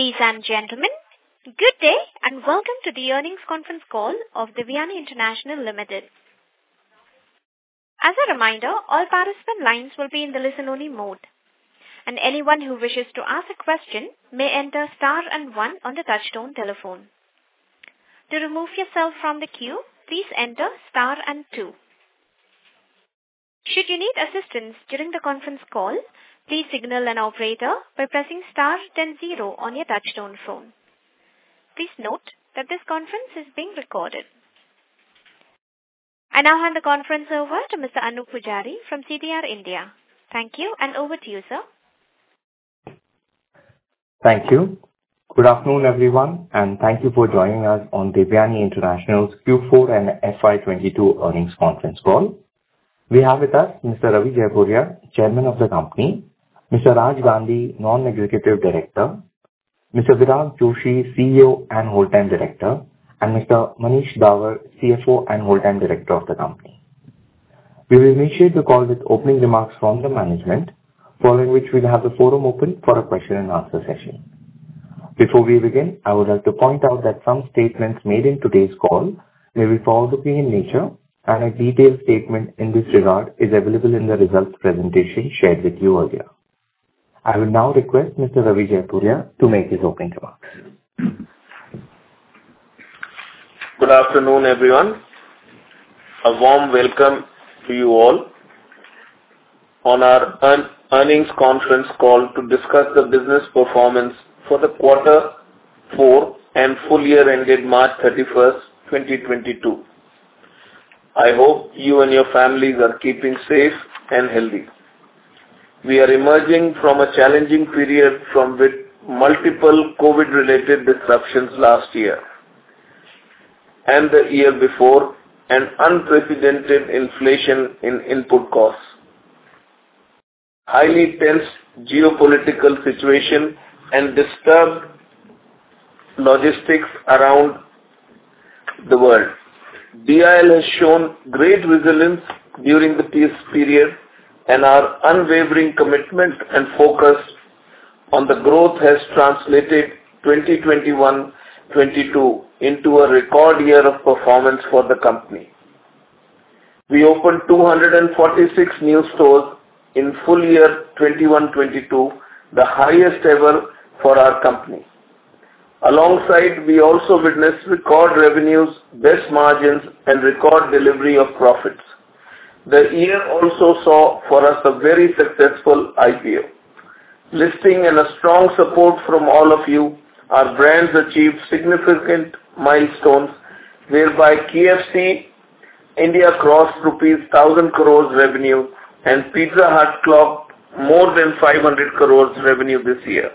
Ladies and gentlemen, good day and welcome to the earnings conference call of Devyani International Limited. As a reminder, all participant lines will be in the listen only mode, and anyone who wishes to ask a question may enter star and one on the touchtone telephone. To remove yourself from the queue, please enter star and two. Should you need assistance during the conference call, please signal an operator by pressing star then zero on your touchtone phone. Please note that this conference is being recorded. I now hand the conference over to Mr. Anoop Poojari from CDR India. Thank you and over to you, sir. Thank you. Good afternoon, everyone, and thank you for joining us on Devyani International's Q4 and FY 2022 Earnings Conference Call. We have with us Mr. Ravi Jaipuria, Chairman of the company, Mr. Raj Pal Gandhi, Non-Executive Director, Mr. Virag Joshi, CEO and Whole-time Director, and Mr. Manish Dawar, CFO and Whole-time Director of the company. We will initiate the call with opening remarks from the management, following which we'll have the forum open for a question and answer session. Before we begin, I would like to point out that some statements made in today's call may be forward-looking in nature and a detailed statement in this regard is available in the results presentation shared with you earlier. I will now request Mr. Ravi Jaipuria to make his opening remarks. Good afternoon, everyone. A warm welcome to you all on our earnings conference call to discuss the business performance for the quarter four and full year ended March 31, 2022. I hope you and your families are keeping safe and healthy. We are emerging from a challenging period from, with multiple COVID-related disruptions last year and the year before, an unprecedented inflation in input costs, highly tense geopolitical situation and disturbed logistics around the world. DIL has shown great resilience during this period, and our unwavering commitment and focus on the growth has translated 2021, 2022 into a record year of performance for the company. We opened 246 new stores in full year 2021, 2022, the highest ever for our company. Alongside, we also witnessed record revenues, best margins, and record delivery of profits. The year also saw for us a very successful IPO. Listing and a strong support from all of you, our brands achieved significant milestones whereby KFC India crossed rupees 1,000 crore revenue and Pizza Hut clocked more than 500 crore rupees revenue this year.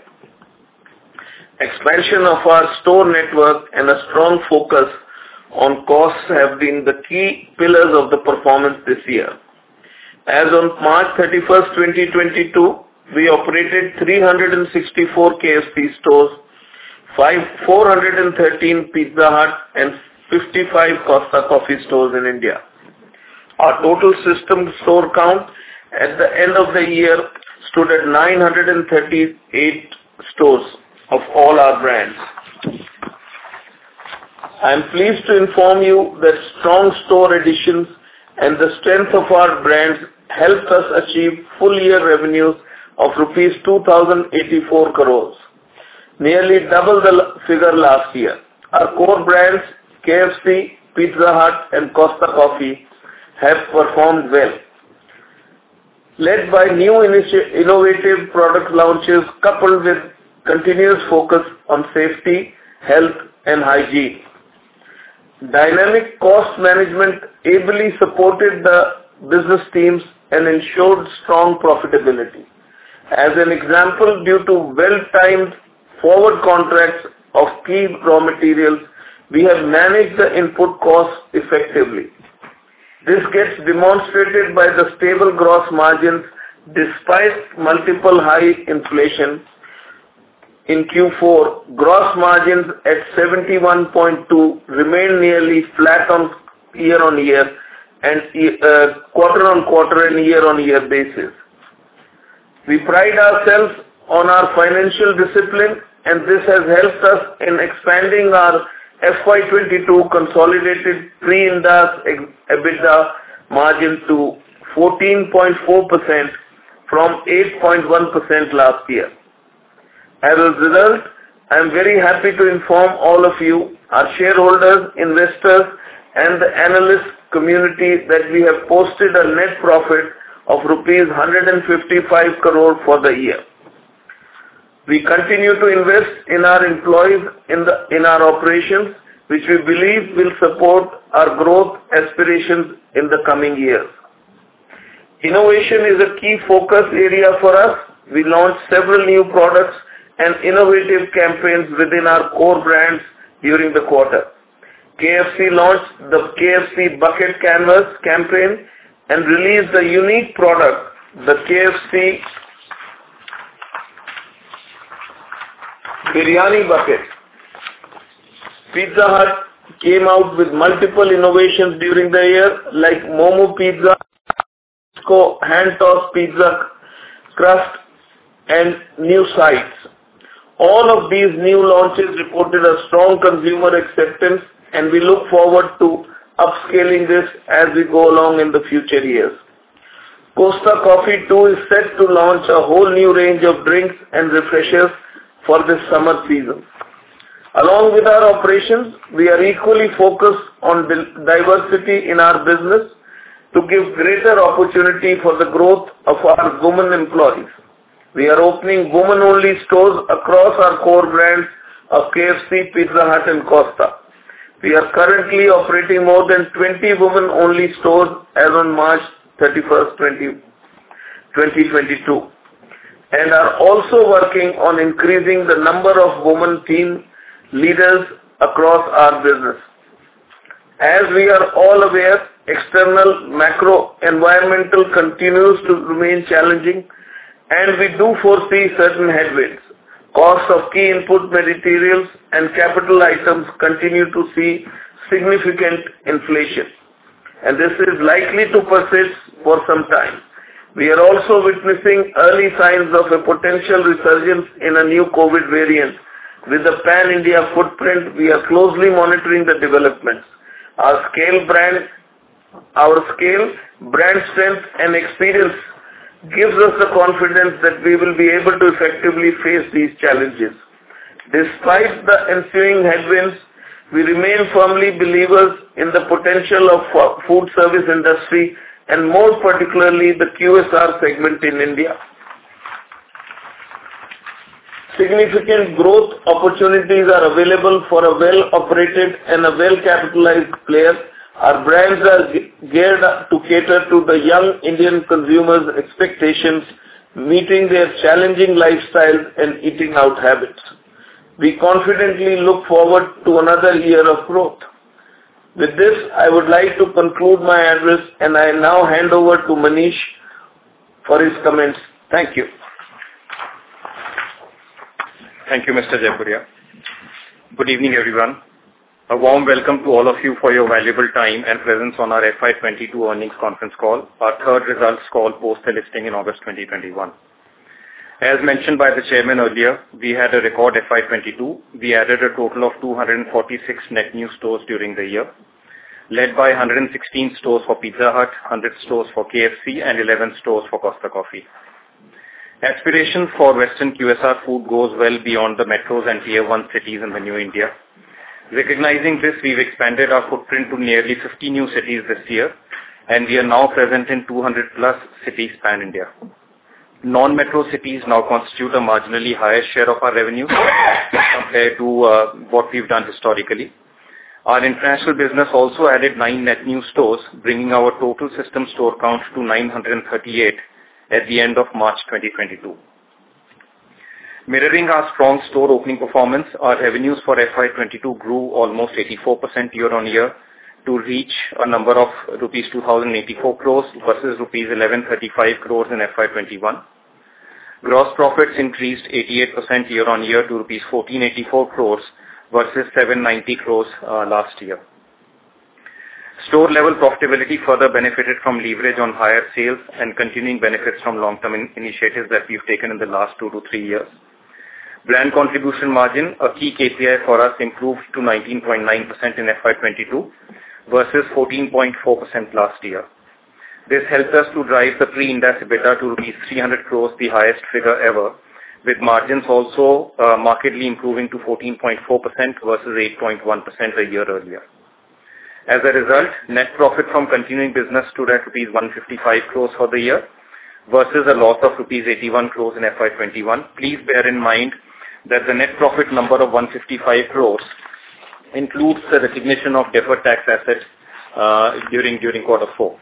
Expansion of our store network and a strong focus on costs have been the key pillars of the performance this year. As on March 31, 2022, we operated 364 KFC stores, 413 Pizza Hut and 55 Costa Coffee stores in India. Our total system store count at the end of the year stood at 938 stores of all our brands. I am pleased to inform you that strong store additions and the strength of our brands helped us achieve full year revenues of rupees 2,084 crore, nearly double the figure last year. Our core brands, KFC, Pizza Hut and Costa Coffee, have performed well, led by innovative product launches coupled with continuous focus on safety, health and hygiene. Dynamic cost management ably supported the business teams and ensured strong profitability. As an example, due to well-timed forward contracts of key raw materials, we have managed the input costs effectively. This gets demonstrated by the stable gross margins despite multiple high inflation. In Q4, gross margins at 71.2% remained nearly flat on year-on-year and quarter-on-quarter and year-on-year basis. We pride ourselves on our financial discipline, and this has helped us in expanding our FY 2022 consolidated pre-Ind AS EBITDA margin to 14.4% from 8.1% last year. As a result, I am very happy to inform all of you, our shareholders, investors and the analyst community that we have posted a net profit of rupees 155 crore for the year. We continue to invest in our employees in our operations, which we believe will support our growth aspirations in the coming years. Innovation is a key focus area for us. We launched several new products and innovative campaigns within our core brands during the quarter. KFC launched the KFC Bucket Canvas campaign and released a unique product, the KFC Biryani Bucket. Pizza Hut came out with multiple innovations during the year, like Momo Mia, Hand Tossed Pizza Crust, and new sides. All of these new launches reported a strong consumer acceptance, and we look forward to upscaling this as we go along in the future years. Costa Coffee too is set to launch a whole new range of drinks and refreshers for this summer season. Along with our operations, we are equally focused on building diversity in our business to give greater opportunity for the growth of our women employees. We are opening women-only stores across our core brands of KFC, Pizza Hut, and Costa. We are currently operating more than 20 women-only stores as on March 31, 2022, and are also working on increasing the number of women team leaders across our business. As we are all aware, external macro environment continues to remain challenging, and we do foresee certain headwinds. Cost of key input materials and capital items continue to see significant inflation, and this is likely to persist for some time. We are also witnessing early signs of a potential resurgence in a new COVID variant. With a pan-India footprint, we are closely monitoring the developments. Our scale, brand strength, and experience gives us the confidence that we will be able to effectively face these challenges. Despite the ensuing headwinds, we remain firm believers in the potential of food service industry, and more particularly, the QSR segment in India. Significant growth opportunities are available for a well-operated and a well-capitalized player. Our brands are geared up to cater to the young Indian consumers' expectations, meeting their challenging lifestyles and eating out habits. We confidently look forward to another year of growth. With this, I would like to conclude my address, and I now hand over to Manish for his comments. Thank you. Thank you, Mr. Jaipuria. Good evening, everyone. A warm welcome to all of you for your valuable time and presence on our FY 2022 earnings conference call, our third results call post the listing in August 2021. As mentioned by the chairman earlier, we had a record FY 2022. We added a total of 246 net new stores during the year, led by 116 stores for Pizza Hut, 100 stores for KFC, and 11 stores for Costa Coffee. Aspiration for Western QSR food goes well beyond the metros and Tier 1 cities in the new India. Recognizing this, we've expanded our footprint to nearly 50 new cities this year, and we are now present in 200+ cities pan-India. Non-metro cities now constitute a marginally higher share of our revenue compared to what we've done historically. Our international business also added nine net new stores, bringing our total system store count to 938 at the end of March 2022. Mirroring our strong store opening performance, our revenues for FY 2022 grew almost 84% year-on-year to reach rupees 2,084 crores versus rupees 1,135 crores in FY 2021. Gross profits increased 88% year-on-year to rupees 1,484 crores versus 790 crores last year. Store level profitability further benefited from leverage on higher sales and continuing benefits from long-term initiatives that we've taken in the last two to three years. Brand contribution margin, a key KPI for us, improved to 19.9% in FY 2022 versus 14.4% last year. This helped us to drive the pre-interest EBITDA to 300 crores, the highest figure ever, with margins also markedly improving to 14.4% versus 8.1% a year earlier. As a result, net profit from continuing business stood at rupees 155 crores for the year versus a loss of rupees 81 crores in FY 2021. Please bear in mind that the net profit number of 155 crores includes the recognition of deferred tax assets during quarter four.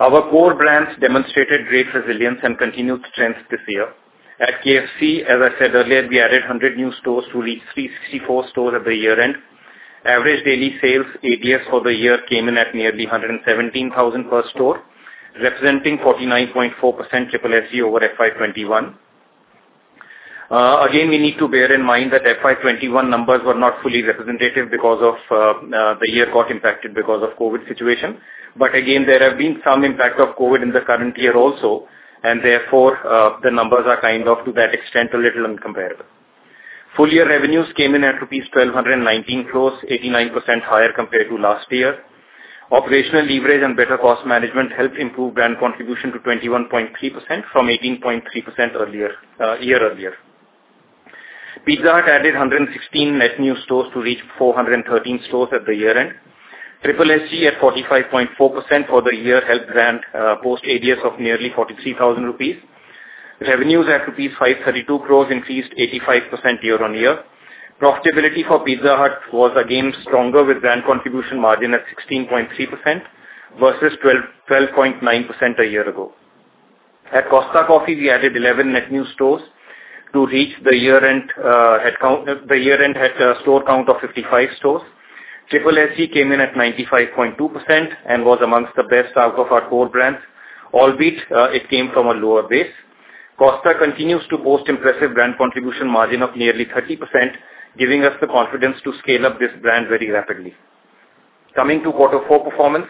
Our core brands demonstrated great resilience and continued strength this year. At KFC, as I said earlier, we added 100 new stores to reach 364 stores at the year-end. Average daily sales, ADS, for the year came in at nearly 117,000 per store, representing 49.4% SSSG over FY 2021. Again, we need to bear in mind that FY 2021 numbers were not fully representative because of the COVID situation. Again, there have been some impact of COVID in the current year also, and therefore, the numbers are kind of, to that extent, a little incomparable. Full year revenues came in at rupees 1,219 crores, 89% higher compared to last year. Operational leverage and better cost management helped improve brand contribution to 21.3% from 18.3% earlier year. Pizza Hut added 116 net new stores to reach 413 stores at the year-end. SSSC at 45.4% for the year helped brand post ADS of nearly 43,000 rupees. Revenues at rupees 532 crores increased 85% year-on-year. Profitability for Pizza Hut was again stronger with brand contribution margin at 16.3% versus 12.9% a year ago. At Costa Coffee, we added 11 net new stores to reach the year-end store count of 55 stores. SSSC came in at 95.2% and was amongst the best out of our core brands, albeit, it came from a lower base. Costa continues to boast impressive brand contribution margin of nearly 30%, giving us the confidence to scale up this brand very rapidly. Coming to quarter four performance,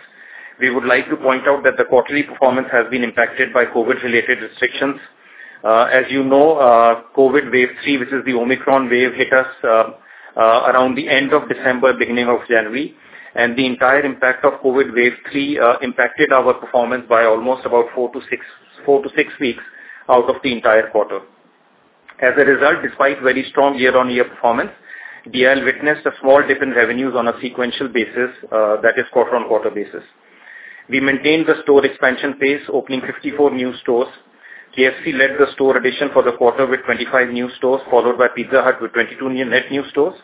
we would like to point out that the quarterly performance has been impacted by COVID-related restrictions. As you know, COVID wave three, which is the Omicron wave, hit us around the end of December, beginning of January, and the entire impact of COVID wave three impacted our performance by almost about four to six weeks out of the entire quarter. As a result, despite very strong year-on-year performance, DL witnessed a small dip in revenues on a sequential basis, that is quarter-on-quarter basis. We maintained the store expansion pace, opening 54 new stores. KFC led the store addition for the quarter with 25 new stores, followed by Pizza Hut with 22 net new stores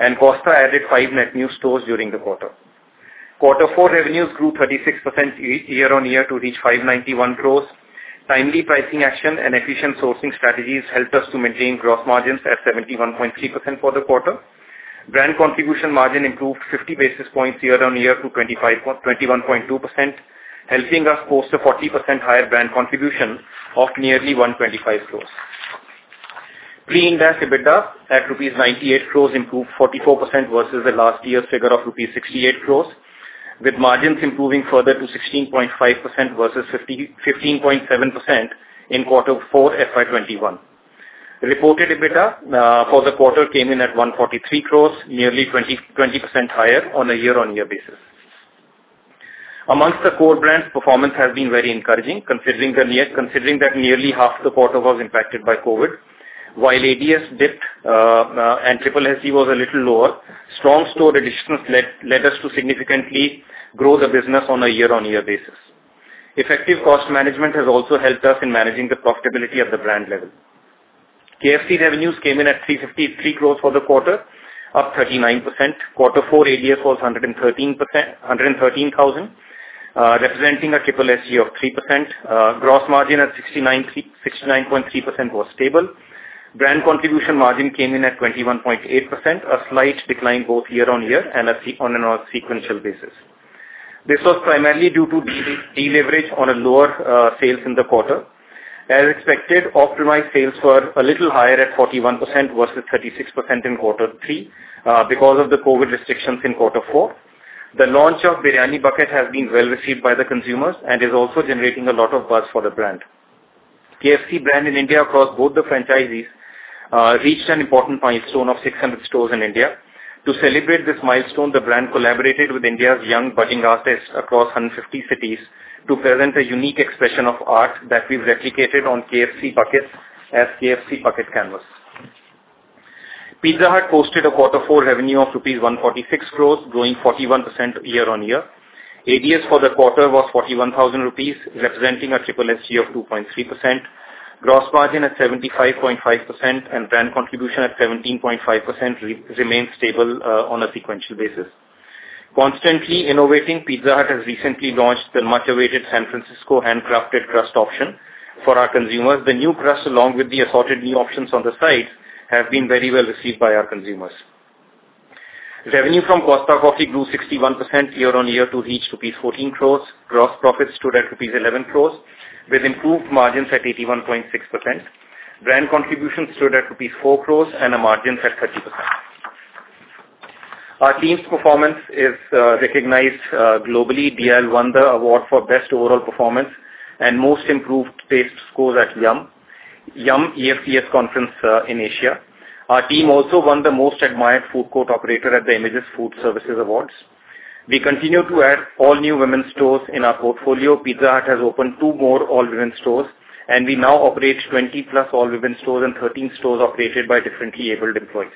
and Costa added five net new stores during the quarter. Quarter four revenues grew 36% year-on-year to reach 591 crores. Timely pricing action and efficient sourcing strategies helped us to maintain gross margins at 71.3% for the quarter. Brand contribution margin improved 50 basis points year-on-year to 21.2%, helping us post a 40% higher brand contribution of nearly 125 crores. Pre-Ind AS EBITDA at rupees 98 crores improved 44% versus the last year's figure of rupees 68 crores, with margins improving further to 16.5% versus 15.7% in quarter four FY 2021. Reported EBITDA for the quarter came in at 143 crores, nearly 20% higher on a year-on-year basis. Amongst the core brands, performance has been very encouraging considering that nearly half the quarter was impacted by COVID. While ADS dipped, and SSSG was a little lower, strong store additions led us to significantly grow the business on a year-on-year basis. Effective cost management has also helped us in managing the profitability at the brand level. KFC revenues came in at 353 crore for the quarter, up 39%. Quarter four ADS was 113,000, representing a SSSG of 3%. Gross margin at 69.3% was stable. Brand contribution margin came in at 21.8%, a slight decline both year-on-year and sequentially. This was primarily due to deleverage on lower sales in the quarter. As expected, optimized sales were a little higher at 41% versus 36% in quarter three, because of the COVID restrictions in quarter four. The launch of Biryani Bucket has been well-received by the consumers and is also generating a lot of buzz for the brand. KFC brand in India across both the franchisees reached an important milestone of 600 stores in India. To celebrate this milestone, the brand collaborated with India's young budding artists across 150 cities to present a unique expression of art that we've replicated on KFC buckets as KFC Bucket Canvas. Pizza Hut posted a quarter four revenue of rupees 146 crore, growing 41% year-on-year. ADS for the quarter was 41,000 rupees, representing a SSSG of 2.3%. Gross margin at 75.5% and brand contribution at 17.5% remains stable on a sequential basis. Constantly innovating, Pizza Hut has recently launched the much-awaited San Francisco handcrafted crust option for our consumers. The new crust, along with the assorted new options on the side, have been very well received by our consumers. Revenue from Costa Coffee grew 61% year-on-year to reach rupees 14 crores. Gross profits stood at rupees 11 crores with improved margins at 81.6%. Brand contributions stood at rupees 4 crores and our margins at 30%. Our team's performance is recognized globally. DIL won the award for best overall performance and most improved taste scores at Yum! EFCS conference in Asia. Our team also won the most admired food court operator at the IMAGES Food Service Awards. We continue to add all-new women's stores in our portfolio. Pizza Hut has opened two more all-women stores, and we now operate 20+ all-women stores and 13 stores operated by differently abled employees.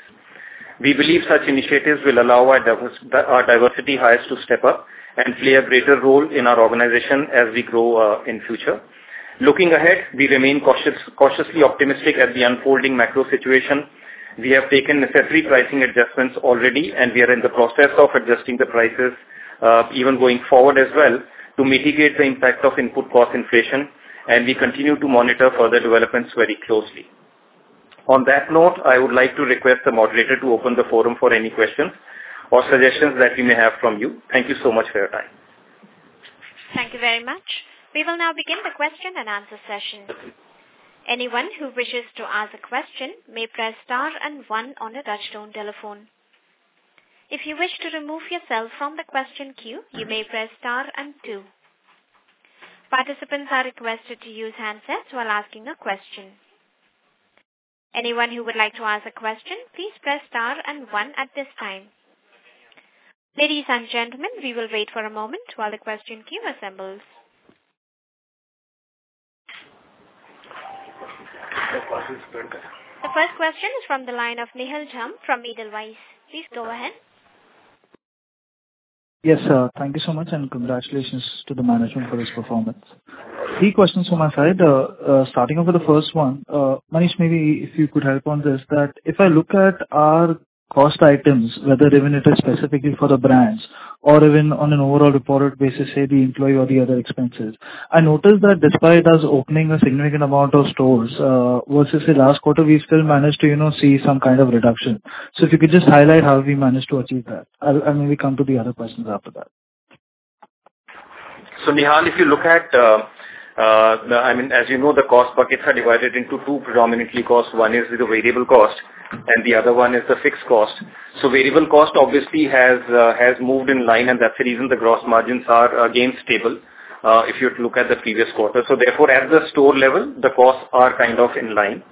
We believe such initiatives will allow our diversity hires to step up and play a greater role in our organization as we grow in future. Looking ahead, we remain cautiously optimistic at the unfolding macro situation. We have taken necessary pricing adjustments already, and we are in the process of adjusting the prices even going forward as well to mitigate the impact of input cost inflation, and we continue to monitor further developments very closely. On that note, I would like to request the moderator to open the forum for any questions or suggestions that we may have from you. Thank you so much for your time. Thank you very much. We will now begin the question and answer session. Anyone who wishes to ask a question may press star and one on a touchtone telephone. If you wish to remove yourself from the question queue, you may press star and two. Participants are requested to use handsets while asking a question. Anyone who would like to ask a question, please press star and one at this time. Ladies and gentlemen, we will wait for a moment while the question queue assembles. The first question is from the line of Nihal Jham from Edelweiss. Please go ahead. Yes, thank you so much, and congratulations to the management for this performance. Three questions from my side. Starting off with the first one, Manish, maybe if you could help on this, that if I look at our cost items, whether even it is specifically for the brands or even on an overall reported basis, say the employee or the other expenses. I noticed that despite us opening a significant amount of stores versus the last quarter, we still managed to, you know, see some kind of reduction. If you could just highlight how we managed to achieve that. I'll maybe come to the other questions after that. Nihal, if you look at, I mean, as you know, the cost buckets are divided into two predominant costs. One is with the variable cost and the other one is the fixed cost. Variable cost obviously has moved in line, and that's the reason the gross margins are, again, stable, if you were to look at the previous quarter. Therefore, at the store level, the costs are kind of in line.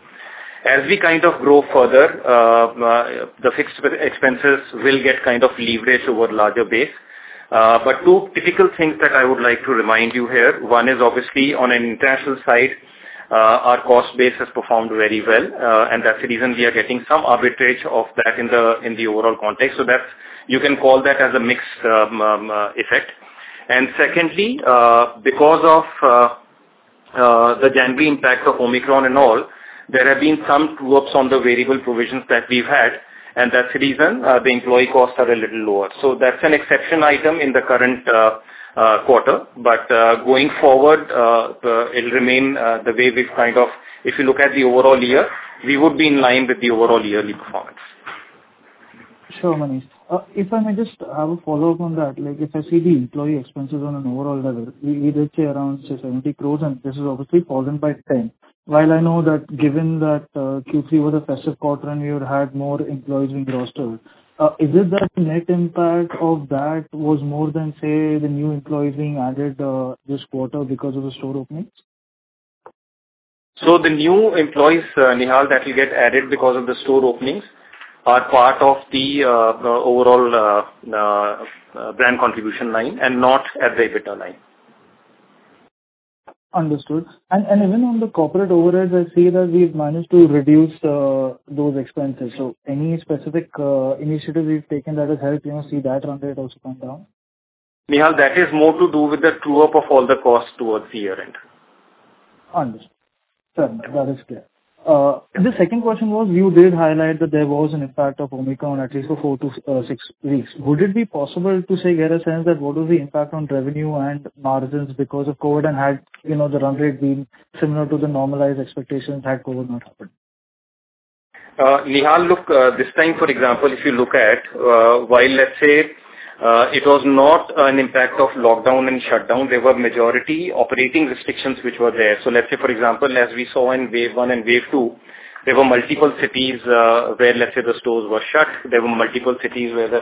As we kind of grow further, the fixed expenses will get kind of leverage over larger base. But two typical things that I would like to remind you here. One is obviously on an international side, our cost base has performed very well, and that's the reason we are getting some arbitrage of that in the overall context. You can call that as a mixed effect. Secondly, because of the January impact of Omicron and all, there have been some true-ups on the variable provisions that we've had, and that's the reason the employee costs are a little lower. That's an exception item in the current quarter. Going forward, it'll remain the way we've kind of. If you look at the overall year, we would be in line with the overall yearly performance. Sure, Manish. If I may just have a follow-up on that. Like, if I see the employee expenses on an overall level, we did say around, say 70 crores, and this is obviously caused by 10%. While I know that given that Q3 was a festive quarter and we would had more employees being rostered, is it that net impact of that was more than, say, the new employees being added this quarter because of the store openings? The new employees, Nihal, that will get added because of the store openings are part of the overall brand contribution line and not at the EBITDA line. Understood. Even on the corporate overheads, I see that we've managed to reduce those expenses. Any specific initiatives we've taken that has helped, you know, see that run rate also come down? Nihal, that is more to do with the true-up of all the costs towards the year-end. Understood. Done. That is clear. The second question was you did highlight that there was an impact of Omicron at least for four to six weeks. Would it be possible to, say, get a sense that what was the impact on revenue and margins because of COVID and had, you know, the run rate been similar to the normalized expectations had COVID not happened? Nihal, look, this time, for example, if you look at, while let's say, it was not an impact of lockdown and shutdown, there were majority operating restrictions which were there. Let's say for example, as we saw in wave one and wave two, there were multiple cities where let's say the stores were shut. There were multiple cities where the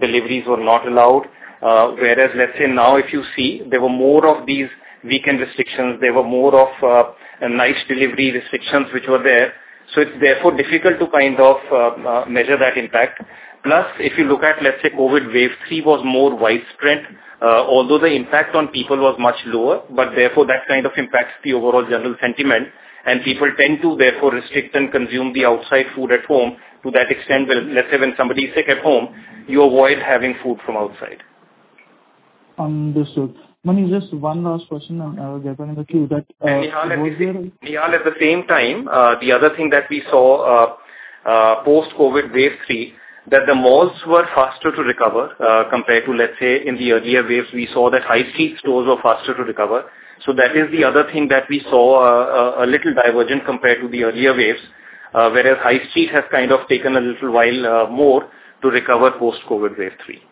deliveries were not allowed. Whereas let's say now if you see, there were more of these weekend restrictions, there were more of night delivery restrictions which were there. It's therefore difficult to kind of measure that impact. Plus, if you look at, let's say COVID wave three was more widespread, although the impact on people was much lower, but therefore that kind of impacts the overall general sentiment and people tend to therefore restrict and consume the outside food at home to that extent where let's say when somebody is sick at home, you avoid having food from outside. Understood. Manish, just one last question and I will get on the queue that, Nihal, at the same time, the other thing that we saw, post-COVID wave three, that the malls were faster to recover, compared to, let's say in the earlier waves, we saw that high street stores were faster to recover. That is the other thing that we saw, a little divergent compared to the earlier waves. Whereas high street has kind of taken a little while, more to recover post-COVID wave three.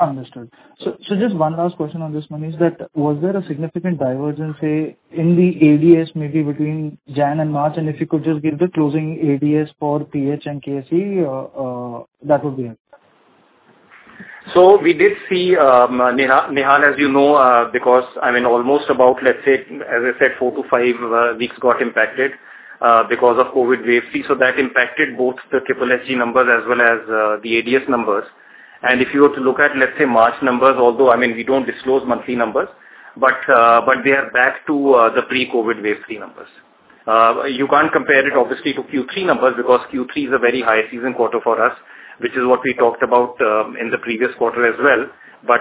Understood. Just one last question on this, Manish, that there was a significant divergence, say, in the ADS maybe between January and March, and if you could just give the closing ADS for PH and KFC, that would be helpful. We did see, Nihal, as you know, because I mean almost about, let's say, as I said, four to five weeks got impacted because of COVID wave three. That impacted both the SSG numbers as well as the ADS numbers. If you were to look at, let's say, March numbers, although, I mean, we don't disclose monthly numbers, but we are back to the pre-COVID wave three numbers. You can't compare it obviously to Q3 numbers because Q3 is a very high season quarter for us, which is what we talked about in the previous quarter as well.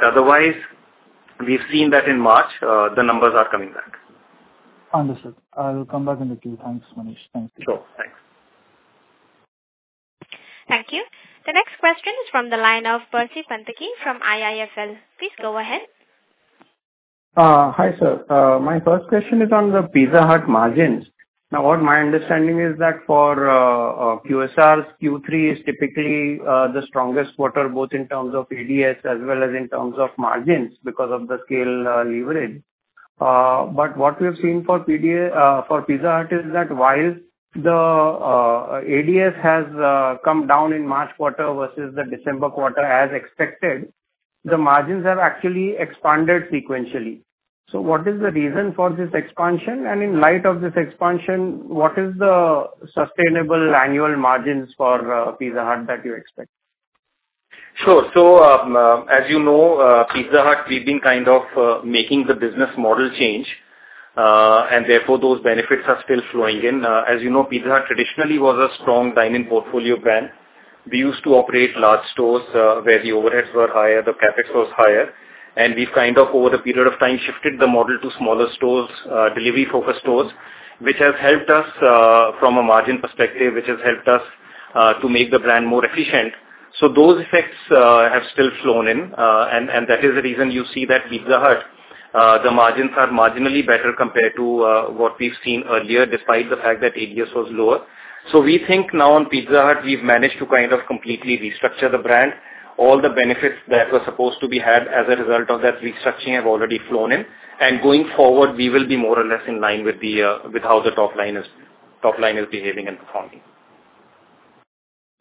Otherwise, we've seen that in March the numbers are coming back. Understood. I will come back in the queue. Thanks, Manish. Thank you. Sure. Thanks. Thank you. The next question is from the line of Percy Panthaki from IIFL. Please go ahead. Hi sir. My first question is on the Pizza Hut margins. Now what my understanding is that for QSR, Q3 is typically the strongest quarter, both in terms of ADS as well as in terms of margins because of the scale leverage. What we've seen for Pizza Hut is that while the ADS has come down in March quarter versus the December quarter as expected, the margins have actually expanded sequentially. What is the reason for this expansion? And in light of this expansion, what is the sustainable annual margins for Pizza Hut that you expect? Sure. As you know, Pizza Hut, we've been kind of making the business model change, and therefore, those benefits are still flowing in. As you know, Pizza Hut traditionally was a strong dine-in portfolio brand. We used to operate large stores, where the overheads were higher, the CapEx was higher. We've kind of over the period of time shifted the model to smaller stores, delivery-focused stores, which has helped us from a margin perspective to make the brand more efficient. Those effects have still flown in, and that is the reason you see that Pizza Hut, the margins are marginally better compared to what we've seen earlier, despite the fact that ADS was lower. We think now on Pizza Hut, we've managed to kind of completely restructure the brand. All the benefits that were supposed to be had as a result of that restructuring have already flown in. Going forward, we will be more or less in line with the, with how the top line is, top line is behaving and performing.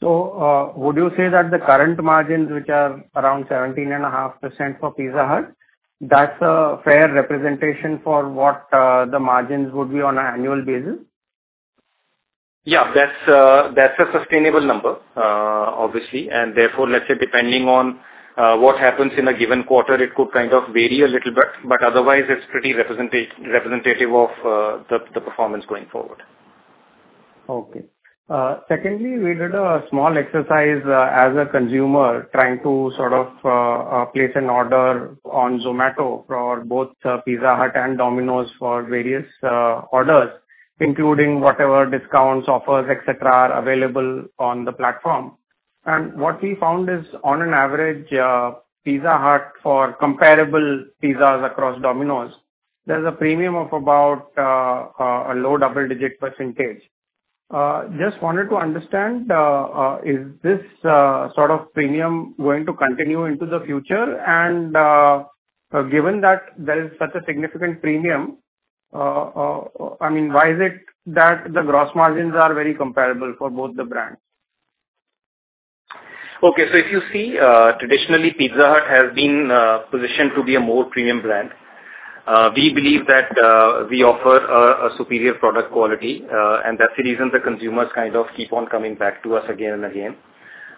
Would you say that the current margins, which are around 17.5% for Pizza Hut, that's a fair representation for what the margins would be on an annual basis? Yeah, that's a sustainable number, obviously. Therefore, let's say depending on what happens in a given quarter, it could kind of vary a little bit, but otherwise it's pretty representative of the performance going forward. Okay. Secondly, we did a small exercise, as a consumer trying to sort of place an order on Zomato for both Pizza Hut and Domino's for various orders, including whatever discounts, offers, et cetera, are available on the platform. What we found is on average, Pizza Hut for comparable pizzas across Domino's, there's a premium of about a low double-digit percentage. Just wanted to understand, is this sort of premium going to continue into the future? Given that there is such a significant premium, I mean, why is it that the gross margins are very comparable for both the brands? If you see, traditionally, Pizza Hut has been positioned to be a more premium brand. We believe that we offer a superior product quality, and that's the reason the consumers kind of keep on coming back to us again and again.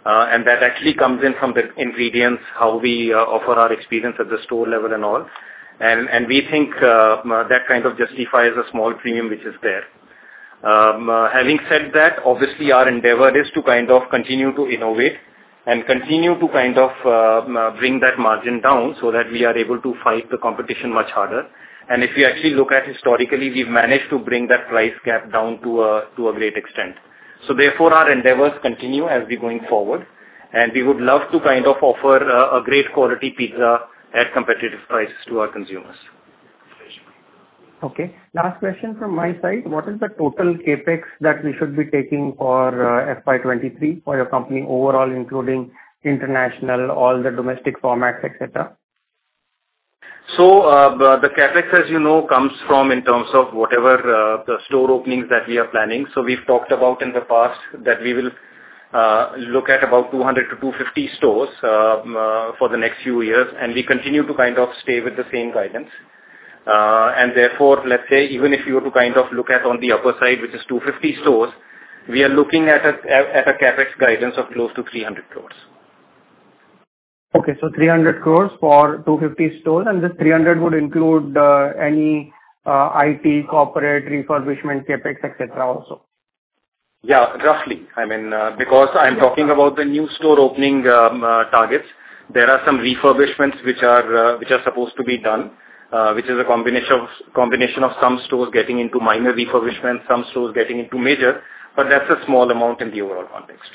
That actually comes in from the ingredients, how we offer our experience at the store level and all. We think that kind of justifies the small premium which is there. Having said that, obviously our endeavor is to kind of continue to innovate and continue to kind of bring that margin down so that we are able to fight the competition much harder. If you actually look at it historically, we've managed to bring that price gap down to a great extent. Therefore, our endeavors continue as we're going forward, and we would love to kind of offer a great quality pizza at competitive prices to our consumers. Okay. Last question from my side. What is the total CapEx that we should be taking for FY 2023 for your company overall, including international, all the domestic formats, et cetera? The CapEx, as you know, comes from in terms of whatever, the store openings that we are planning. We've talked about in the past that we will look at about 200-250 stores, for the next few years, and we continue to kind of stay with the same guidance. Therefore, let's say even if you were to kind of look at on the upper side, which is 250 stores, we are looking at a CapEx guidance of close to 300 crore. Okay, 300 crore for 250 stores. This 300 would include any IT, corporate, refurbishment, CapEx, et cetera, also? Yeah, roughly. I mean, because I'm talking about the new store opening targets. There are some refurbishments which are supposed to be done, which is a combination of some stores getting into minor refurbishment, some stores getting into major, but that's a small amount in the overall context.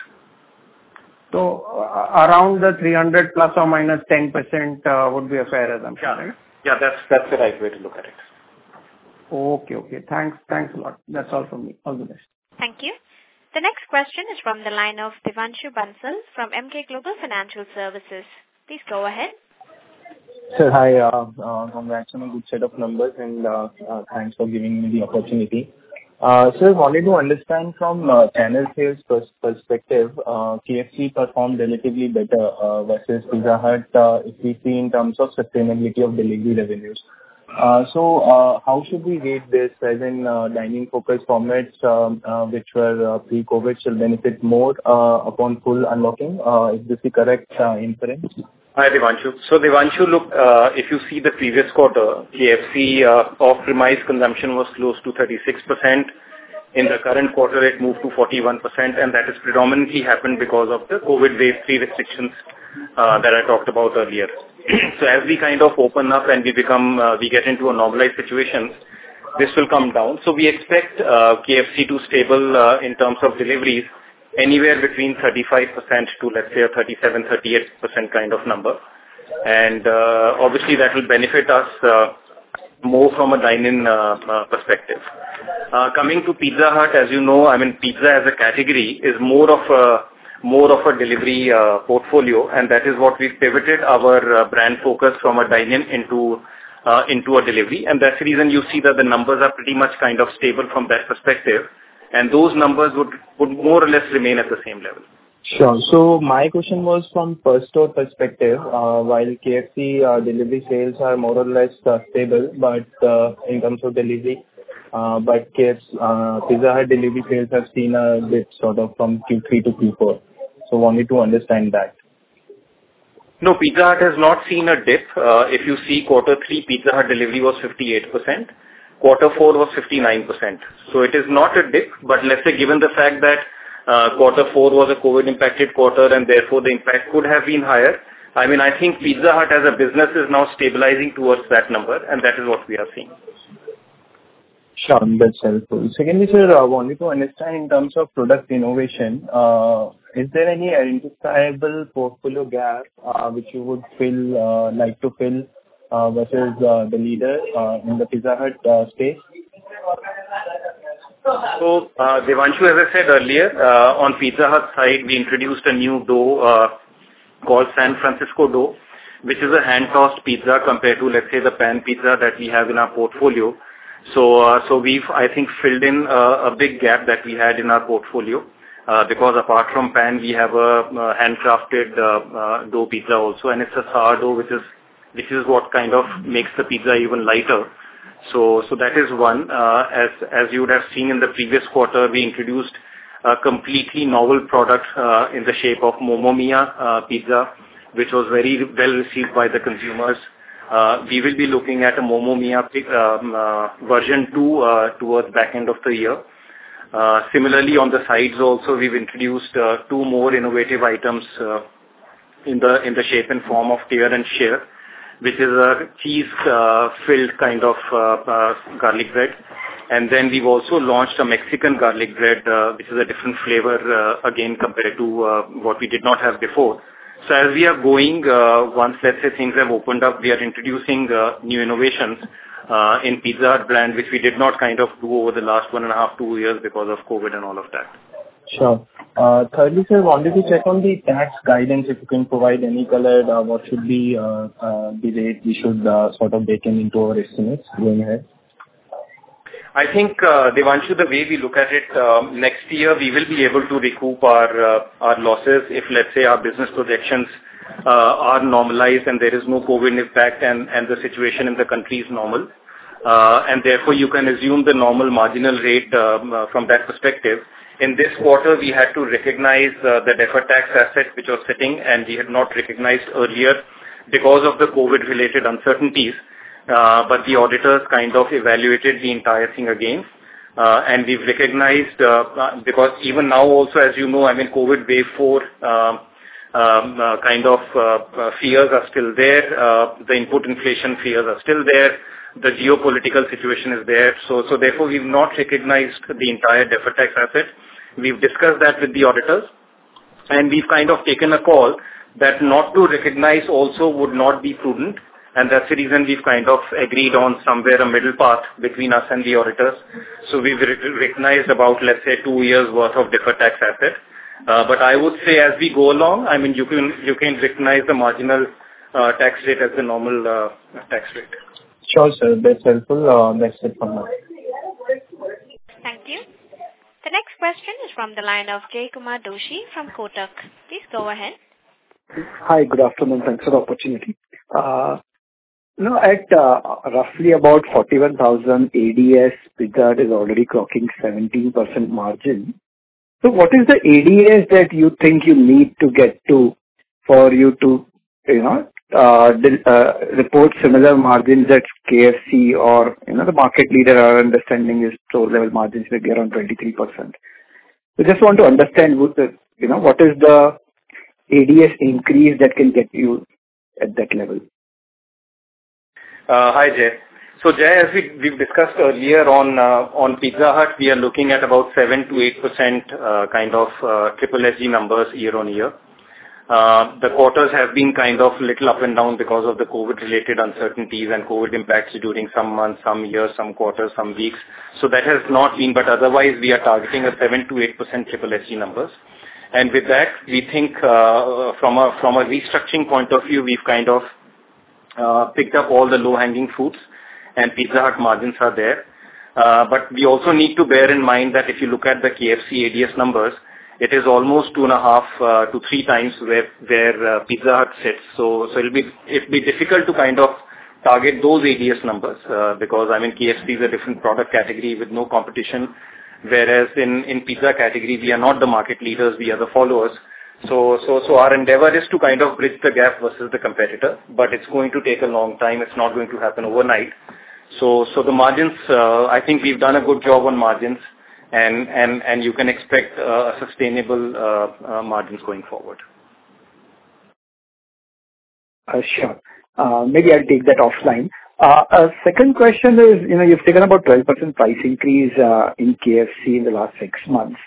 Around the 300 ±10%, would be a fair assumption? Yeah. Yeah, that's the right way to look at it. Okay. Thanks a lot. That's all from me. All the best. Thank you. The next question is from the line of Devanshu Bansal from Emkay Global Financial Services. Please go ahead. Sir, hi. Congratulations on a good set of numbers, and thanks for giving me the opportunity. Sir, wanted to understand from channel sales perspective, KFC performed relatively better versus Pizza Hut if we see in terms of sustainability of delivery revenues. How should we read this as in dine-in focused formats which were pre-COVID shall benefit more upon full unlocking? Is this the correct inference? Hi, Devanshu. Devanshu, look, if you see the previous quarter, KFC off-premise consumption was close to 36%. In the current quarter, it moved to 41%, and that has predominantly happened because of the COVID-based restrictions that I talked about earlier. As we kind of open up and we become, we get into a normalized situation, this will come down. We expect KFC to stabilize in terms of deliveries anywhere between 35% to, let's say, a 37%-38% kind of number. And obviously, that will benefit us more from a dine-in perspective. Coming to Pizza Hut, as you know, I mean, pizza as a category is more of a delivery portfolio, and that is what we've pivoted our brand focus from a dine-in into a delivery. That's the reason you see that the numbers are pretty much kind of stable from that perspective, and those numbers would more or less remain at the same level. Sure. My question was from per store perspective, while KFC delivery sales are more or less stable, but Pizza Hut delivery sales have seen a dip sort of from Q3 to Q4. Wanted to understand that. No, Pizza Hut has not seen a dip. If you see quarter three, Pizza Hut delivery was 58%. Quarter four was 59%. It is not a dip, but let's say given the fact that, quarter four was a COVID-impacted quarter and therefore the impact could have been higher. I mean, I think Pizza Hut as a business is now stabilizing towards that number, and that is what we are seeing. Sure. That's helpful. Secondly, sir, I wanted to understand in terms of product innovation, is there any identifiable portfolio gap, which you would fill, like to fill, versus the leader in the Pizza Hut space? Devanshu, as I said earlier, on Pizza Hut side, we introduced a new dough called San Francisco Style dough, which is a hand-tossed pizza compared to, let's say, the pan pizza that we have in our portfolio. We've, I think, filled in a big gap that we had in our portfolio. Because apart from pan, we have a handcrafted sourdough pizza also, and it's a sourdough, which is what kind of makes the pizza even lighter. That is one. As you would have seen in the previous quarter, we introduced a completely novel product in the shape of Momo Mia pizza, which was very well-received by the consumers. We will be looking at a Momo Mia version two towards back end of the year. Similarly, on the sides also we've introduced two more innovative items in the shape and form of Tear and Share, which is a cheese filled kind of garlic bread. Then we've also launched a Mexican garlic bread, which is a different flavor again, compared to what we did not have before. As we are going, once, let's say, things have opened up, we are introducing new innovations in Pizza Hut brand, which we did not kind of do over the last one and a half, two years because of COVID and all of that. Sure. Thirdly, sir, wanted to check on the tax guidance, if you can provide any color, what should be the rate we should sort of bake in into our estimates going ahead? I think, Devanshu, the way we look at it, next year we will be able to recoup our losses if, let's say, our business projections are normalized and there is no COVID impact and the situation in the country is normal. Therefore, you can assume the normal marginal rate from that perspective. In this quarter, we had to recognize the deferred tax asset which was sitting, and we had not recognized earlier because of the COVID-related uncertainties. The auditors kind of evaluated the entire thing again. We've recognized because even now also, as you know, I mean, COVID wave four kind of fears are still there. The input inflation fears are still there. The geopolitical situation is there. Therefore, we've not recognized the entire deferred tax asset. We've discussed that with the auditors. We've kind of taken a call that not to recognize also would not be prudent. That's the reason we've kind of agreed on somewhere a middle path between us and the auditors. We've re-recognized about, let's say, two years' worth of deferred tax asset. But I would say as we go along, I mean, you can recognize the marginal tax rate as the normal tax rate. Sure, sir. That's helpful. Thanks for that. Thank you. The next question is from the line of Jaykumar Doshi from Kotak. Please go ahead. Hi. Good afternoon. Thanks for the opportunity. You know, at roughly about 41,000 ADS, Pizza Hut is already clocking 17% margin. What is the ADS that you think you need to get to for you to, you know, report similar margins as KFC or, you know, the market leader. Our understanding is total margins will be around 23%. Just want to understand what the, you know, what is the ADS increase that can get you at that level? Hi, Jay. Jay, as we've discussed earlier on Pizza Hut, we are looking at about 7%-8% SSSG year-over-year. The quarters have been kind of little up and down because of the COVID-related uncertainties and COVID impacts during some months, some years, some quarters, some weeks. That has not been, but otherwise we are targeting 7%-8% SSSG. With that, we think from a restructuring point of view, we've picked up all the low-hanging fruits and Pizza Hut margins are there. But we also need to bear in mind that if you look at the KFC ADS numbers, it is almost 2.5x-3x where Pizza Hut sits. It'll be difficult to kind of target those ADS numbers, because, I mean, KFC is a different product category with no competition, whereas in pizza category we are not the market leaders, we are the followers. Our endeavor is to kind of bridge the gap versus the competitor, but it's going to take a long time. It's not going to happen overnight. The margins, I think we've done a good job on margins and you can expect sustainable margins going forward. Sure. Maybe I'll take that offline. Second question is, you know, you've taken about 12% price increase in KFC in the last six months.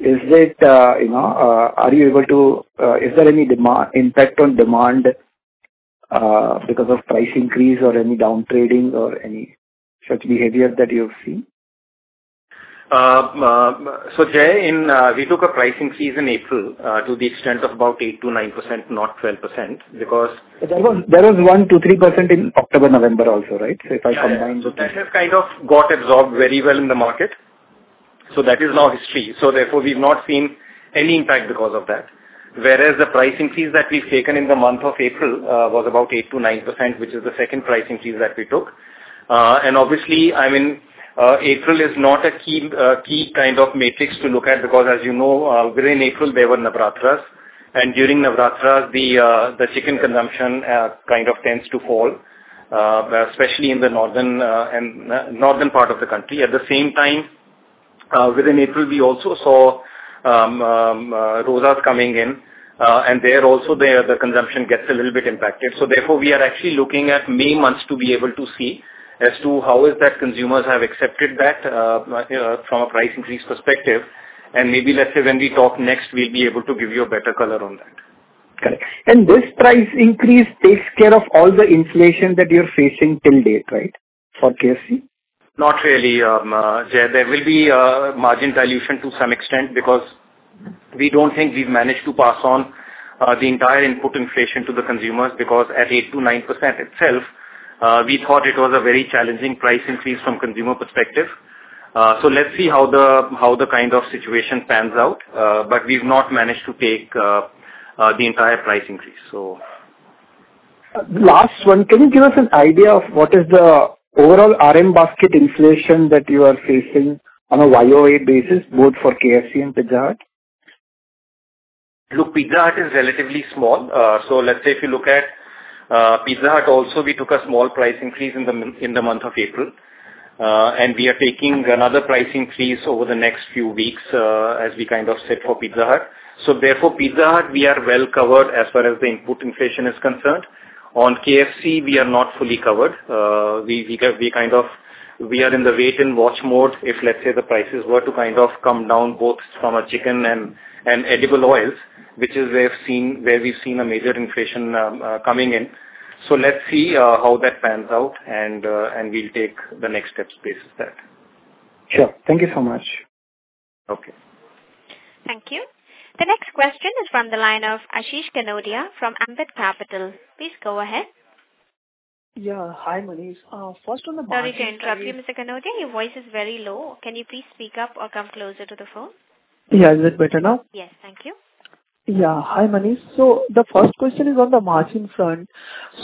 Is there any impact on demand because of price increase or any down-trading or any such behavior that you've seen? Jay, we took a pricing increase in April to the extent of about 8%-9%, not 12%, because. There was 1%-3% in October, November also, right? If I combine the two- That has kind of got absorbed very well in the market, so that is now history. Therefore, we've not seen any impact because of that. Whereas the pricing increase that we've taken in the month of April was about 8%-9%, which is the second pricing increase that we took. Obviously, I mean, April is not a key kind of matrix to look at because as you know, within April there were Navratras. During Navratri, the chicken consumption kind of tends to fall, especially in the northern and northern part of the country. At the same time, within April, we also saw Rozas coming in, and there also the consumption gets a little bit impacted. Therefore, we are actually looking at May months to be able to see as to how is that consumers have accepted that from a price increase perspective. Maybe let's say when we talk next, we'll be able to give you a better color on that. Correct. This price increase takes care of all the inflation that you're facing till date, right, for KFC? Not really, Jay. There will be margin dilution to some extent because we don't think we've managed to pass on the entire input inflation to the consumers because at 8%-9% itself, we thought it was a very challenging price increase from consumer perspective. Let's see how the kind of situation pans out. We've not managed to take the entire price increase. Last one. Can you give us an idea of what is the overall RM basket inflation that you are facing on a YOA basis, both for KFC and Pizza Hut? Look, Pizza Hut is relatively small. Let's say if you look at Pizza Hut also we took a small price increase in the month of April. We are taking another price increase over the next few weeks, as we kind of set for Pizza Hut. Therefore Pizza Hut we are well covered as far as the input inflation is concerned. On KFC, we are not fully covered. We kind of are in the wait and watch mode if, let's say, the prices were to kind of come down both from a chicken and edible oils, which we've seen a major inflation coming in. Let's see how that pans out and we'll take the next steps basis that. Sure. Thank you so much. Okay. Thank you. The next question is from the line of Ashish Kanodia from Ambit Capital. Please go ahead. Yeah. Hi, Manish. First on the margin- Sorry to interrupt you, Mr. Kanodia. Your voice is very low. Can you please speak up or come closer to the phone? Yeah. Is it better now? Yes. Thank you. Yeah. Hi, Manish. The first question is on the margin front.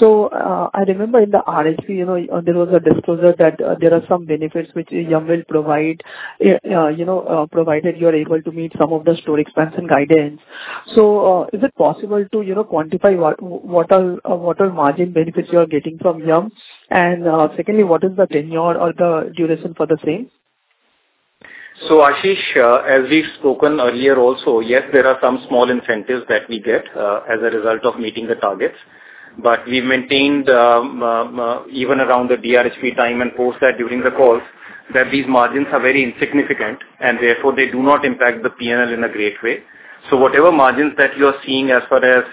I remember in the RHP, you know, there was a disclosure that there are some benefits which Yum will provide, you know, provided you are able to meet some of the store expansion guidance. Is it possible to, you know, quantify what are margin benefits you are getting from Yum? And, secondly, what is the tenure or the duration for the same? Ashish, as we've spoken earlier also, yes, there are some small incentives that we get as a result of meeting the targets. We've maintained even around the DRHP time and post that during the calls that these margins are very insignificant and therefore they do not impact the P&L in a great way. Whatever margins that you're seeing as far as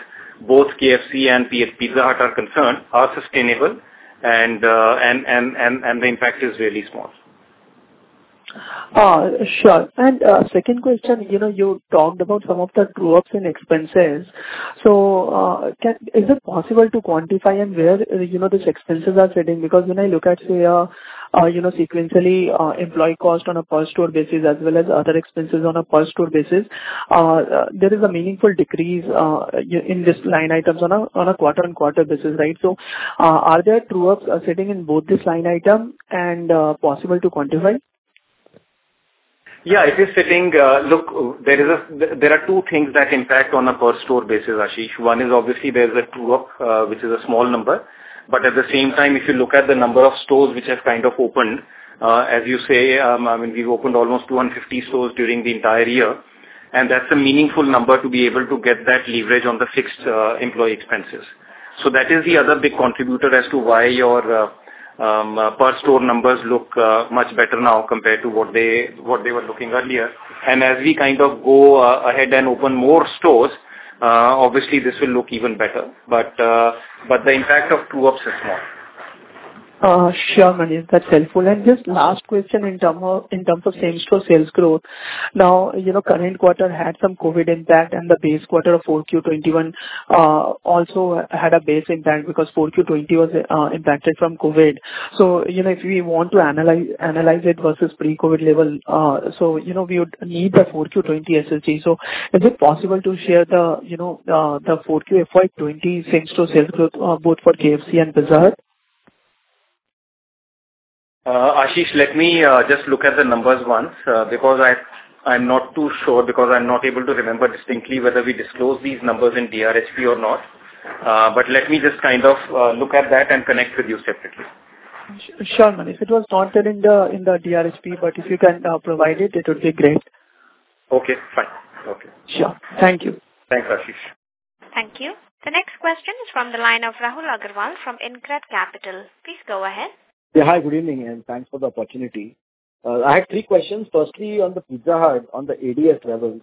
both KFC and PH-Pizza Hut are concerned are sustainable and the impact is really small. Sure. Second question, you know, you talked about some of the true-ups and expenses. Is it possible to quantify and where, you know, these expenses are sitting? Because when I look at them sequentially, employee cost on a per store basis as well as other expenses on a per store basis, there is a meaningful decrease in these line items on a quarter-on-quarter basis, right? Are there true-ups sitting in both these line items and is it possible to quantify? Look, there are two things that impact on a per store basis, Ashish. One is obviously there's a true-up, which is a small number. At the same time, if you look at the number of stores which have kind of opened, as you say, I mean, we've opened almost 250 stores during the entire year, and that's a meaningful number to be able to get that leverage on the fixed employee expenses. That is the other big contributor as to why your per store numbers look much better now compared to what they were looking earlier. As we kind of go ahead and open more stores, obviously this will look even better. The impact of true-ups is small. Sure, Manish. That's helpful. Just last question in terms of same-store sales growth. Now, you know, current quarter had some COVID impact and the base quarter of 4Q 2021 also had a base impact because 4Q 2020 was impacted from COVID. You know, if we want to analyze it versus pre-COVID level, you know, we would need the 4Q 2020 SSG. Is it possible to share the 4Q FY 2020 same-store sales growth both for KFC and Pizza Hut? Ashish, let me just look at the numbers once, because I'm not too sure, because I'm not able to remember distinctly whether we disclosed these numbers in DRHP or not. Let me just kind of look at that and connect with you separately. Sure, Manish. It was not there in the DRHP, but if you can provide it would be great. Okay, fine. Okay. Sure. Thank you. Thanks, Ashish. Thank you. The next question is from the line of Rahul Agarwal from InCred Capital. Please go ahead. Yeah. Hi, good evening, and thanks for the opportunity. I have three questions. Firstly, on the Pizza Hut, on the ADS levels.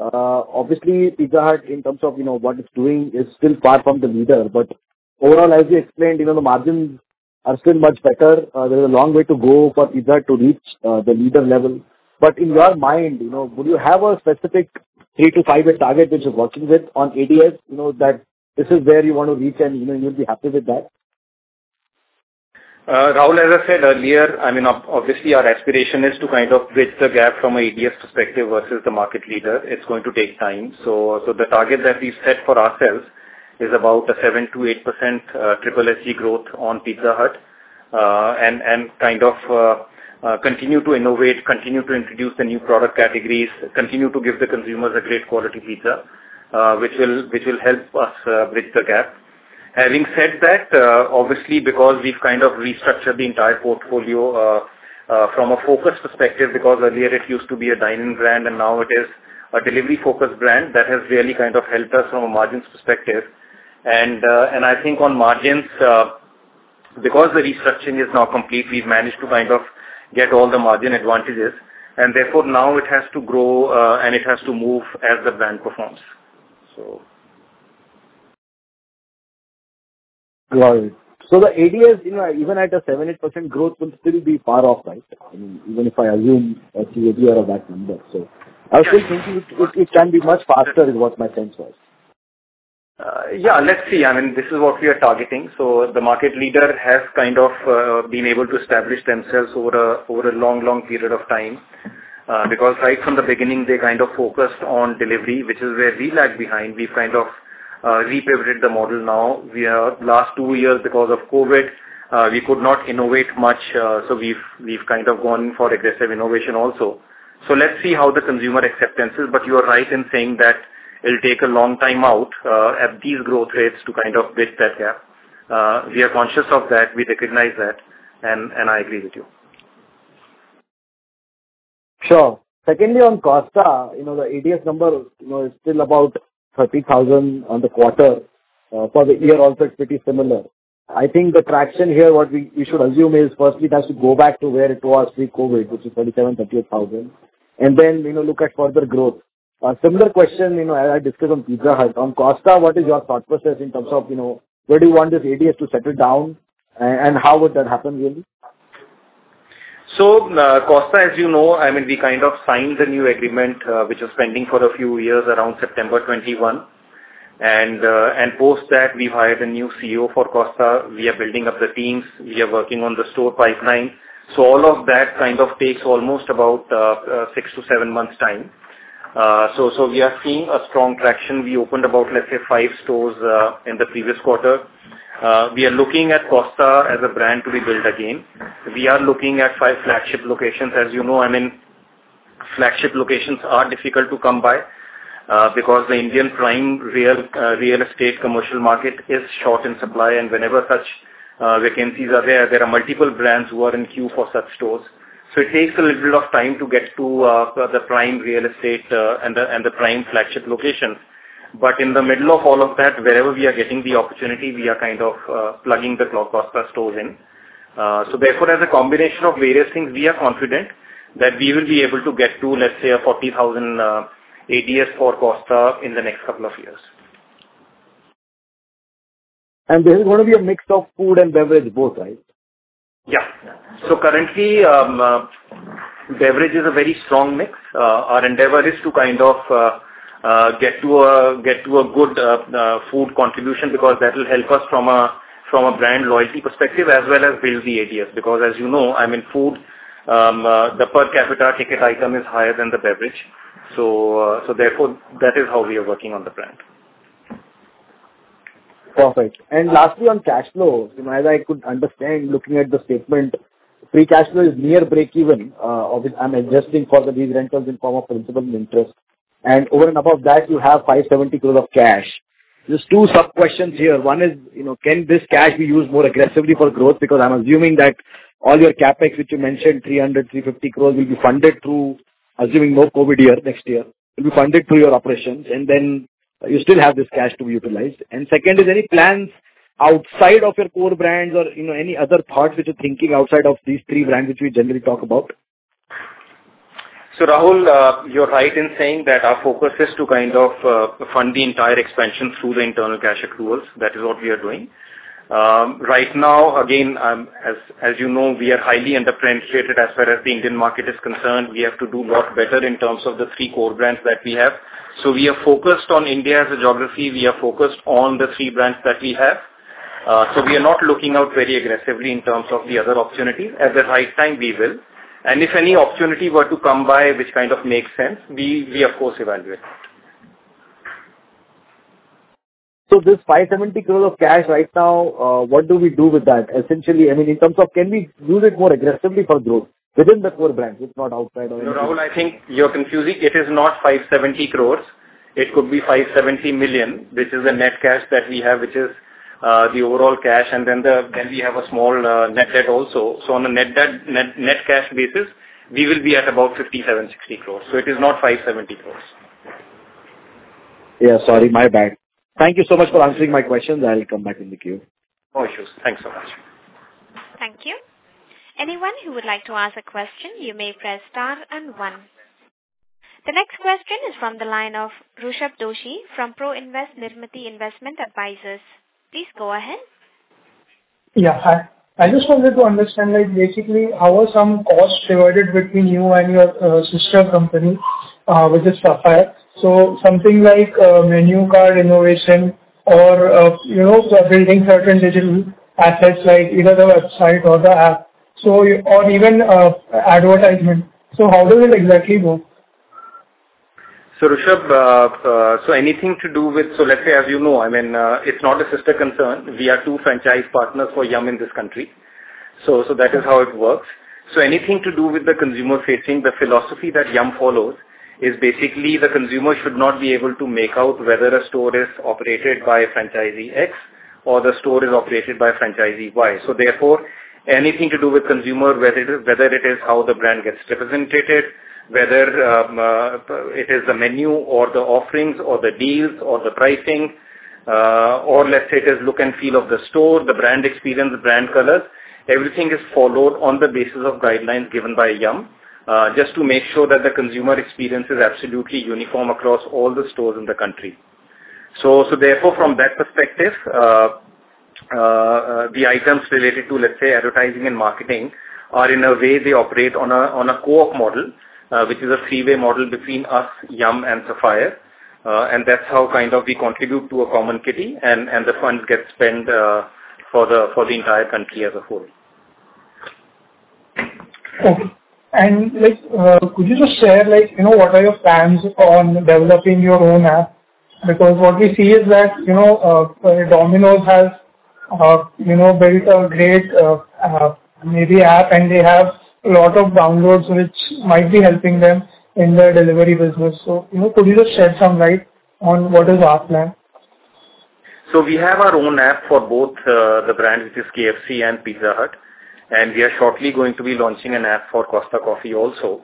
Obviously Pizza Hut in terms of, you know, what it's doing is still far from the leader, but overall, as you explained, you know, the margins are still much better. There is a long way to go for Pizza Hut to reach, the leader level. But in your mind, you know, would you have a specific three to five year target which you're working with on ADS? You know that this is where you want to reach and, you know, you'll be happy with that. Rahul, as I said earlier, I mean obviously our aspiration is to kind of bridge the gap from ADS perspective versus the market leader. It's going to take time. The target that we've set for ourselves is about 7%-8% SSSG growth on Pizza Hut. And kind of continue to innovate, continue to introduce the new product categories, continue to give the consumers a great quality pizza, which will help us bridge the gap. Having said that, obviously because we've kind of restructured the entire portfolio from a focus perspective, because earlier it used to be a dine-in brand and now it is a delivery-focused brand, that has really kind of helped us from a margins perspective. I think on margins, because the restructuring is now complete, we've managed to kind of get all the margin advantages and therefore now it has to grow, and it has to move as the brand performs. Got it. The ADS, you know, even at a 70% growth will still be far off, right? I mean, even if I assume a CAGR or a VAT number. I was thinking it can be much faster is what my sense was. Yeah, let's see. I mean, this is what we are targeting. The market leader has kind of been able to establish themselves over a long period of time. Because right from the beginning they kind of focused on delivery, which is where we lagged behind. We've kind of repivoted the model now. Last two years because of COVID, we could not innovate much, so we've kind of gone for aggressive innovation also. Let's see how the consumer acceptance is. You are right in saying that it'll take a long time to at these growth rates to kind of bridge that gap. We are conscious of that. We recognize that, and I agree with you. Sure. Secondly, on Costa, you know, the ADS number, you know, is still about 30,000 on the quarter. For the year also it's pretty similar. I think the traction here, what we should assume is firstly it has to go back to where it was pre-COVID, which is 37,000-38,000. You know, look at further growth. A similar question, you know, I discussed on Pizza Hut. On Costa, what is your thought process in terms of, you know, where do you want this ADS to settle down and how would that happen really? Costa, as you know, I mean, we kind of signed a new agreement, which was pending for a few years around September 2021. Post that we hired a new CEO for Costa. We are building up the teams. We are working on the store pipeline. All of that kind of takes almost about six to seven months' time. We are seeing a strong traction. We opened about, let's say, five stores in the previous quarter. We are looking at Costa as a brand to be built again. We are looking at five flagship locations. As you know, I mean, flagship locations are difficult to come by, because the Indian prime real estate commercial market is short in supply, and whenever such vacancies are there are multiple brands who are in queue for such stores. It takes a little bit of time to get to the prime real estate and the prime flagship locations. In the middle of all of that, wherever we are getting the opportunity, we are kind of plugging the Costa stores in. Therefore, as a combination of various things, we are confident that we will be able to get to, let's say, 40,000 ADS for Costa in the next couple of years. This is gonna be a mix of food and beverage both, right? Yeah. Currently, beverage is a very strong mix. Our endeavor is to kind of get to a good food contribution because that will help us from a brand loyalty perspective as well as build the ADS. Because as you know, I mean, food, the per capita ticket item is higher than the beverage. Therefore that is how we are working on the brand. Perfect. Lastly on cash flow, you know, as I could understand looking at the statement, free cash flow is near breakeven. I'm adjusting for these rentals in form of principal and interest. Over and above that you have 570 crore of cash. There's two sub-questions here. One is, you know, can this cash be used more aggressively for growth? Because I'm assuming that all your CapEx, which you mentioned, 300-350 crore, will be funded through, assuming no COVID year next year, will be funded through your operations, and then you still have this cash to be utilized. Second, is there any plans outside of your core brands or, you know, any other parts which you're thinking outside of these three brands which we generally talk about? Rahul, you're right in saying that our focus is to kind of fund the entire expansion through the internal cash accruals. That is what we are doing. Right now, again, as you know, we are highly under-penetrated as far as the Indian market is concerned. We have to do lot better in terms of the three core brands that we have. We are focused on India as a geography. We are focused on the three brands that we have. We are not looking out very aggressively in terms of the other opportunities. At the right time, we will. And if any opportunity were to come by, which kind of makes sense, we of course evaluate. This 570 crore of cash right now, what do we do with that? Essentially, I mean, in terms of can we use it more aggressively for growth within the core brands, if not outside or anything? No, Rahul, I think you're confusing. It is not 570 crores. It could be 570 million, which is the net cash that we have, which is the overall cash. Then we have a small net debt also. On a net debt net cash basis, we will be at about 57-60 crores. It is not 570 crores. Yeah, sorry. My bad. Thank you so much for answering my questions. I'll come back in the queue. No issues. Thanks so much. Thank you. Anyone who would like to ask a question, you may press star and one. The next question is from the line of Rushabh Doshi from Proinvest Nirmiti Investment Advisors. Please go ahead. Yeah. Hi. I just wanted to understand, like basically how are some costs divided between you and your sister company, which is Sapphire. So something like menu card innovation or you know building certain digital assets like either the website or the app, so or even advertisement. So how does it exactly go? Rushabh, let's say, as you know, I mean, it's not a sister concern. We are two franchise partners for Yum in this country. That is how it works. Anything to do with the consumer-facing, the philosophy that Yum follows is basically the consumer should not be able to make out whether a store is operated by franchisee X or the store is operated by franchisee Y. Therefore, anything to do with consumer, whether it is how the brand gets represented, whether it is the menu or the offerings or the deals or the pricing, or let's say it is look and feel of the store, the brand experience, the brand colors, everything is followed on the basis of guidelines given by Yum, just to make sure that the consumer experience is absolutely uniform across all the stores in the country. Therefore, from that perspective, the items related to, let's say, advertising and marketing are in a way they operate on a co-op model, which is a three-way model between us, Yum and Sapphire. That's how kind of we contribute to a common kitty and the funds get spent for the entire country as a whole. Okay. Like, could you just share, like, you know, what are your plans on developing your own app? Because what we see is that, you know, Domino's has, you know, built a great mobile app, and they have a lot of downloads which might be helping them in their delivery business. You know, could you just shed some light on what is our plan? We have our own app for both, the brand, which is KFC and Pizza Hut, and we are shortly going to be launching an app for Costa Coffee also.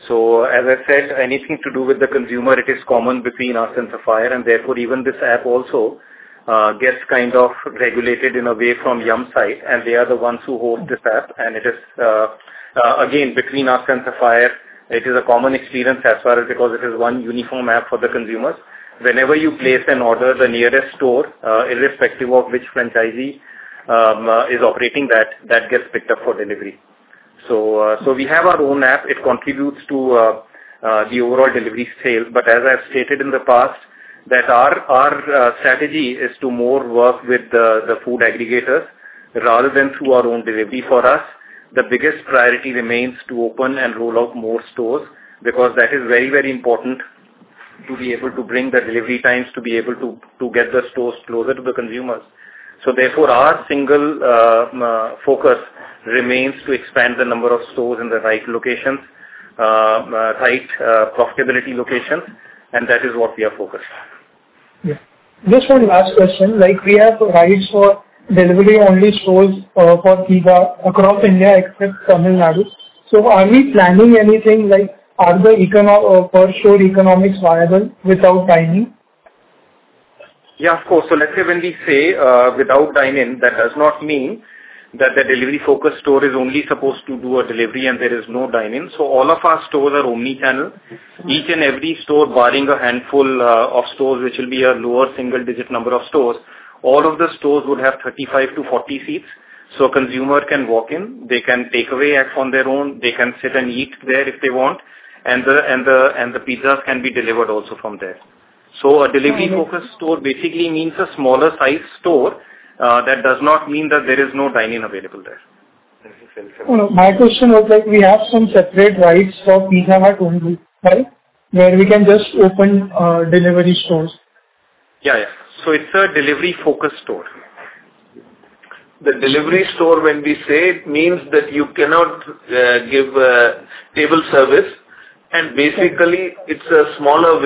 As I said, anything to do with the consumer, it is common between us and Sapphire, and therefore even this app also, gets kind of regulated in a way from Yum side, and they are the ones who host this app. It is, again, between us and Sapphire, it is a common experience as far as because it is one uniform app for the consumers. Whenever you place an order, the nearest store, irrespective of which franchisee, is operating that gets picked up for delivery. We have our own app. It contributes to, the overall delivery sales. As I've stated in the past, that our strategy is to work more with the food aggregators rather than through our own delivery. For us, the biggest priority remains to open and roll out more stores because that is very important to be able to bring down the delivery times, to be able to get the stores closer to the consumers. Our single focus remains to expand the number of stores in the right profitable locations, and that is what we are focused on. Yeah. Just one last question. Like, we have rights for delivery-only stores for Pizza Hut across India except Tamil Nadu. Are we planning anything like, are the per store economics viable without dine-in? Yeah, of course. Let's say when we say without dine-in, that does not mean that the delivery-focused store is only supposed to do a delivery and there is no dine-in. All of our stores are omni-channel. Each and every store, barring a handful of stores, which will be a lower single-digit number of stores, all of the stores would have 35-40 seats. A consumer can walk in, they can take away app on their own, they can sit and eat there if they want, and the pizzas can be delivered also from there. A delivery-focused store basically means a smaller size store. That does not mean that there is no dine-in available there. My question was like we have some separate rights for Pizza Hut only, right? Where we can just open delivery stores? Yeah, yeah. It's a delivery-focused store. The delivery store, when we say it, means that you cannot give table service. Basically, it's a smaller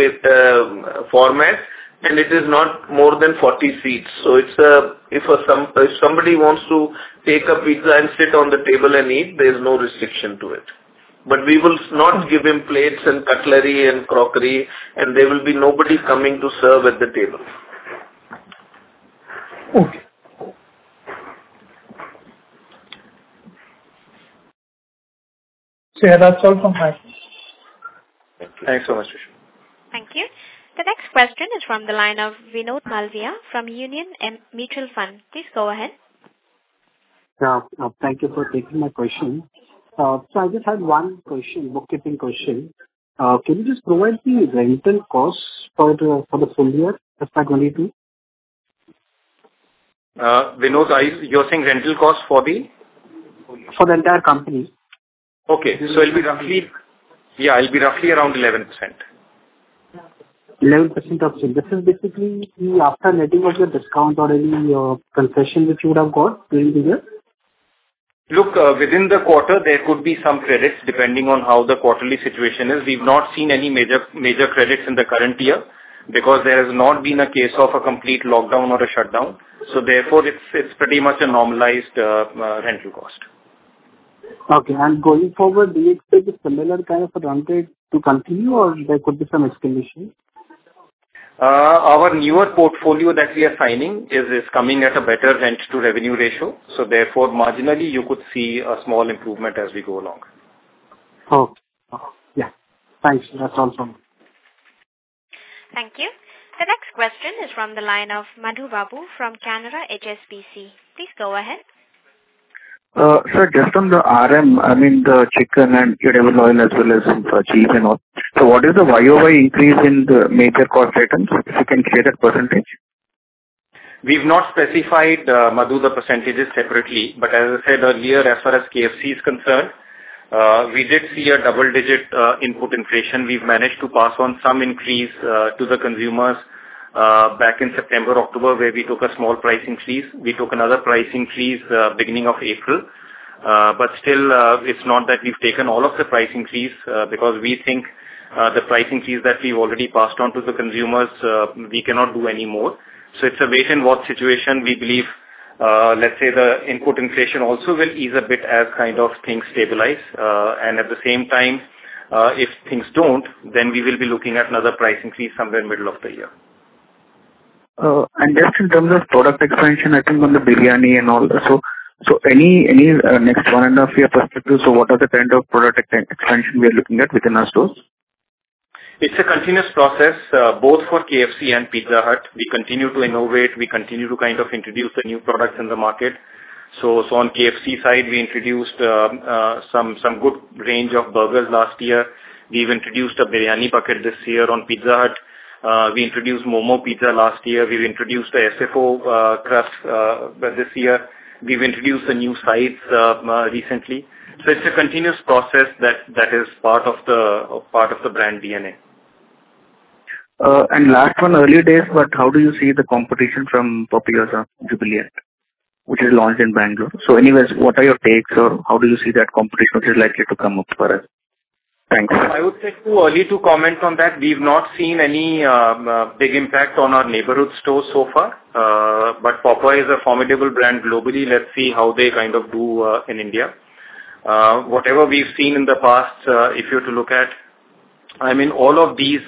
format, and it is not more than 40 seats. If somebody wants to take a pizza and sit on the table and eat, there's no restriction to it. We will not give him plates and cutlery and crockery, and there will be nobody coming to serve at the table. Okay. Yeah, that's all from my side. Thanks so much, Rushabh. Thank you. The next question is from the line of Vinod Malviya from Union Mutual Fund. Please go ahead. Yeah. Thank you for taking my question. So I just had one question, bookkeeping question. Can you just provide the rental costs for the full year, FY 2022? Vinod, you're saying rental costs for the- For the entire company. It'll be roughly around 11%. 11%. Okay. This is basically the after netting out your discount or any concession which you would have got during the year? Look, within the quarter, there could be some credits depending on how the quarterly situation is. We've not seen any major credits in the current year because there has not been a case of a complete lockdown or a shutdown. Therefore, it's pretty much a normalized rental cost. Okay. Going forward, do you expect a similar kind of a run rate to continue or there could be some escalation? Our newer portfolio that we are signing is coming at a better rent-to-revenue ratio. Therefore, marginally, you could see a small improvement as we go along. Okay. Yeah. Thanks. That's all from me. Thank you. The next question is from the line of Madhu Babu from Canara HSBC. Please go ahead. Sir, just on the RM, I mean, the chicken and edible oil as well as some cheese and all. What is the YoY increase in the major cost items? If you can share that percentage. We've not specified, Madhu, the percentages separately. As I said earlier, as far as KFC is concerned, we did see a double-digit input inflation. We've managed to pass on some increase to the consumers back in September, October, where we took a small pricing increase. We took another pricing increase beginning of April. Still, it's not that we've taken all of the pricing increase, because we think the pricing increase that we've already passed on to the consumers, we cannot do any more. It's a wait-and-watch situation. We believe, let's say, the input inflation also will ease a bit as kind of things stabilize. And at the same time, if things don't, then we will be looking at another pricing increase somewhere in middle of the year. Just in terms of product expansion, I think on the biryani and all that. Any next one-and-a-half-year perspective, so what are the kind of product expansion we are looking at within our stores? It's a continuous process both for KFC and Pizza Hut. We continue to innovate. We continue to kind of introduce the new products in the market. So on KFC side, we introduced some good range of burgers last year. We've introduced a Biryani Bucket this year on Pizza Hut. We introduced Momo Mia last year. We've introduced a San Francisco Style crust this year. We've introduced the new sides recently. So it's a continuous process that is part of the brand DNA. Last one, early days, but how do you see the competition from Papa John's, Jubilant, which is launched in Bangalore? Anyways, what are your takes or how do you see that competition, which is likely to come up for us? Thanks. I would say too early to comment on that. We've not seen any big impact on our neighborhood stores so far. Papa John's is a formidable brand globally. Let's see how they kind of do in India. Whatever we've seen in the past, if you were to look at, I mean, all of these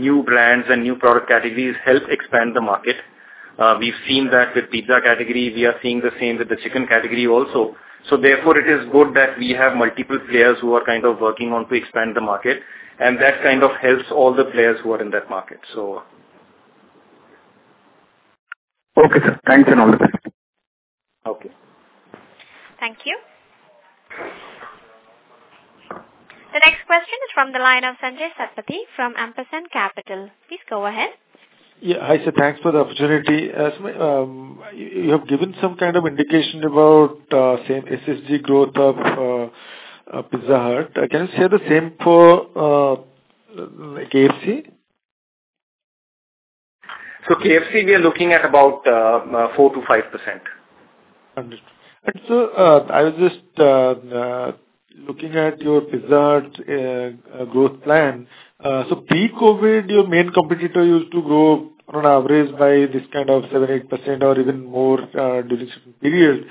new brands and new product categories help expand the market. We've seen that with pizza category. We are seeing the same with the chicken category also. Therefore, it is good that we have multiple players who are kind of working on to expand the market, and that kind of helps all the players who are in that market. Okay, sir. Thanks and all the best. Okay. Thank you. The next question is from the line of Sanjaya Satapathy from Ampersand Capital. Please go ahead. Yeah. Hi, sir. Thanks for the opportunity. As you have given some kind of indication about, say, SSG growth of Pizza Hut. Can you share the same for KFC? KFC, we are looking at about 4%-5%. Understood. I was just looking at your Pizza Hut growth plan. pre-COVID, your main competitor used to grow on an average by this kind of 7%-8% or even more during certain periods.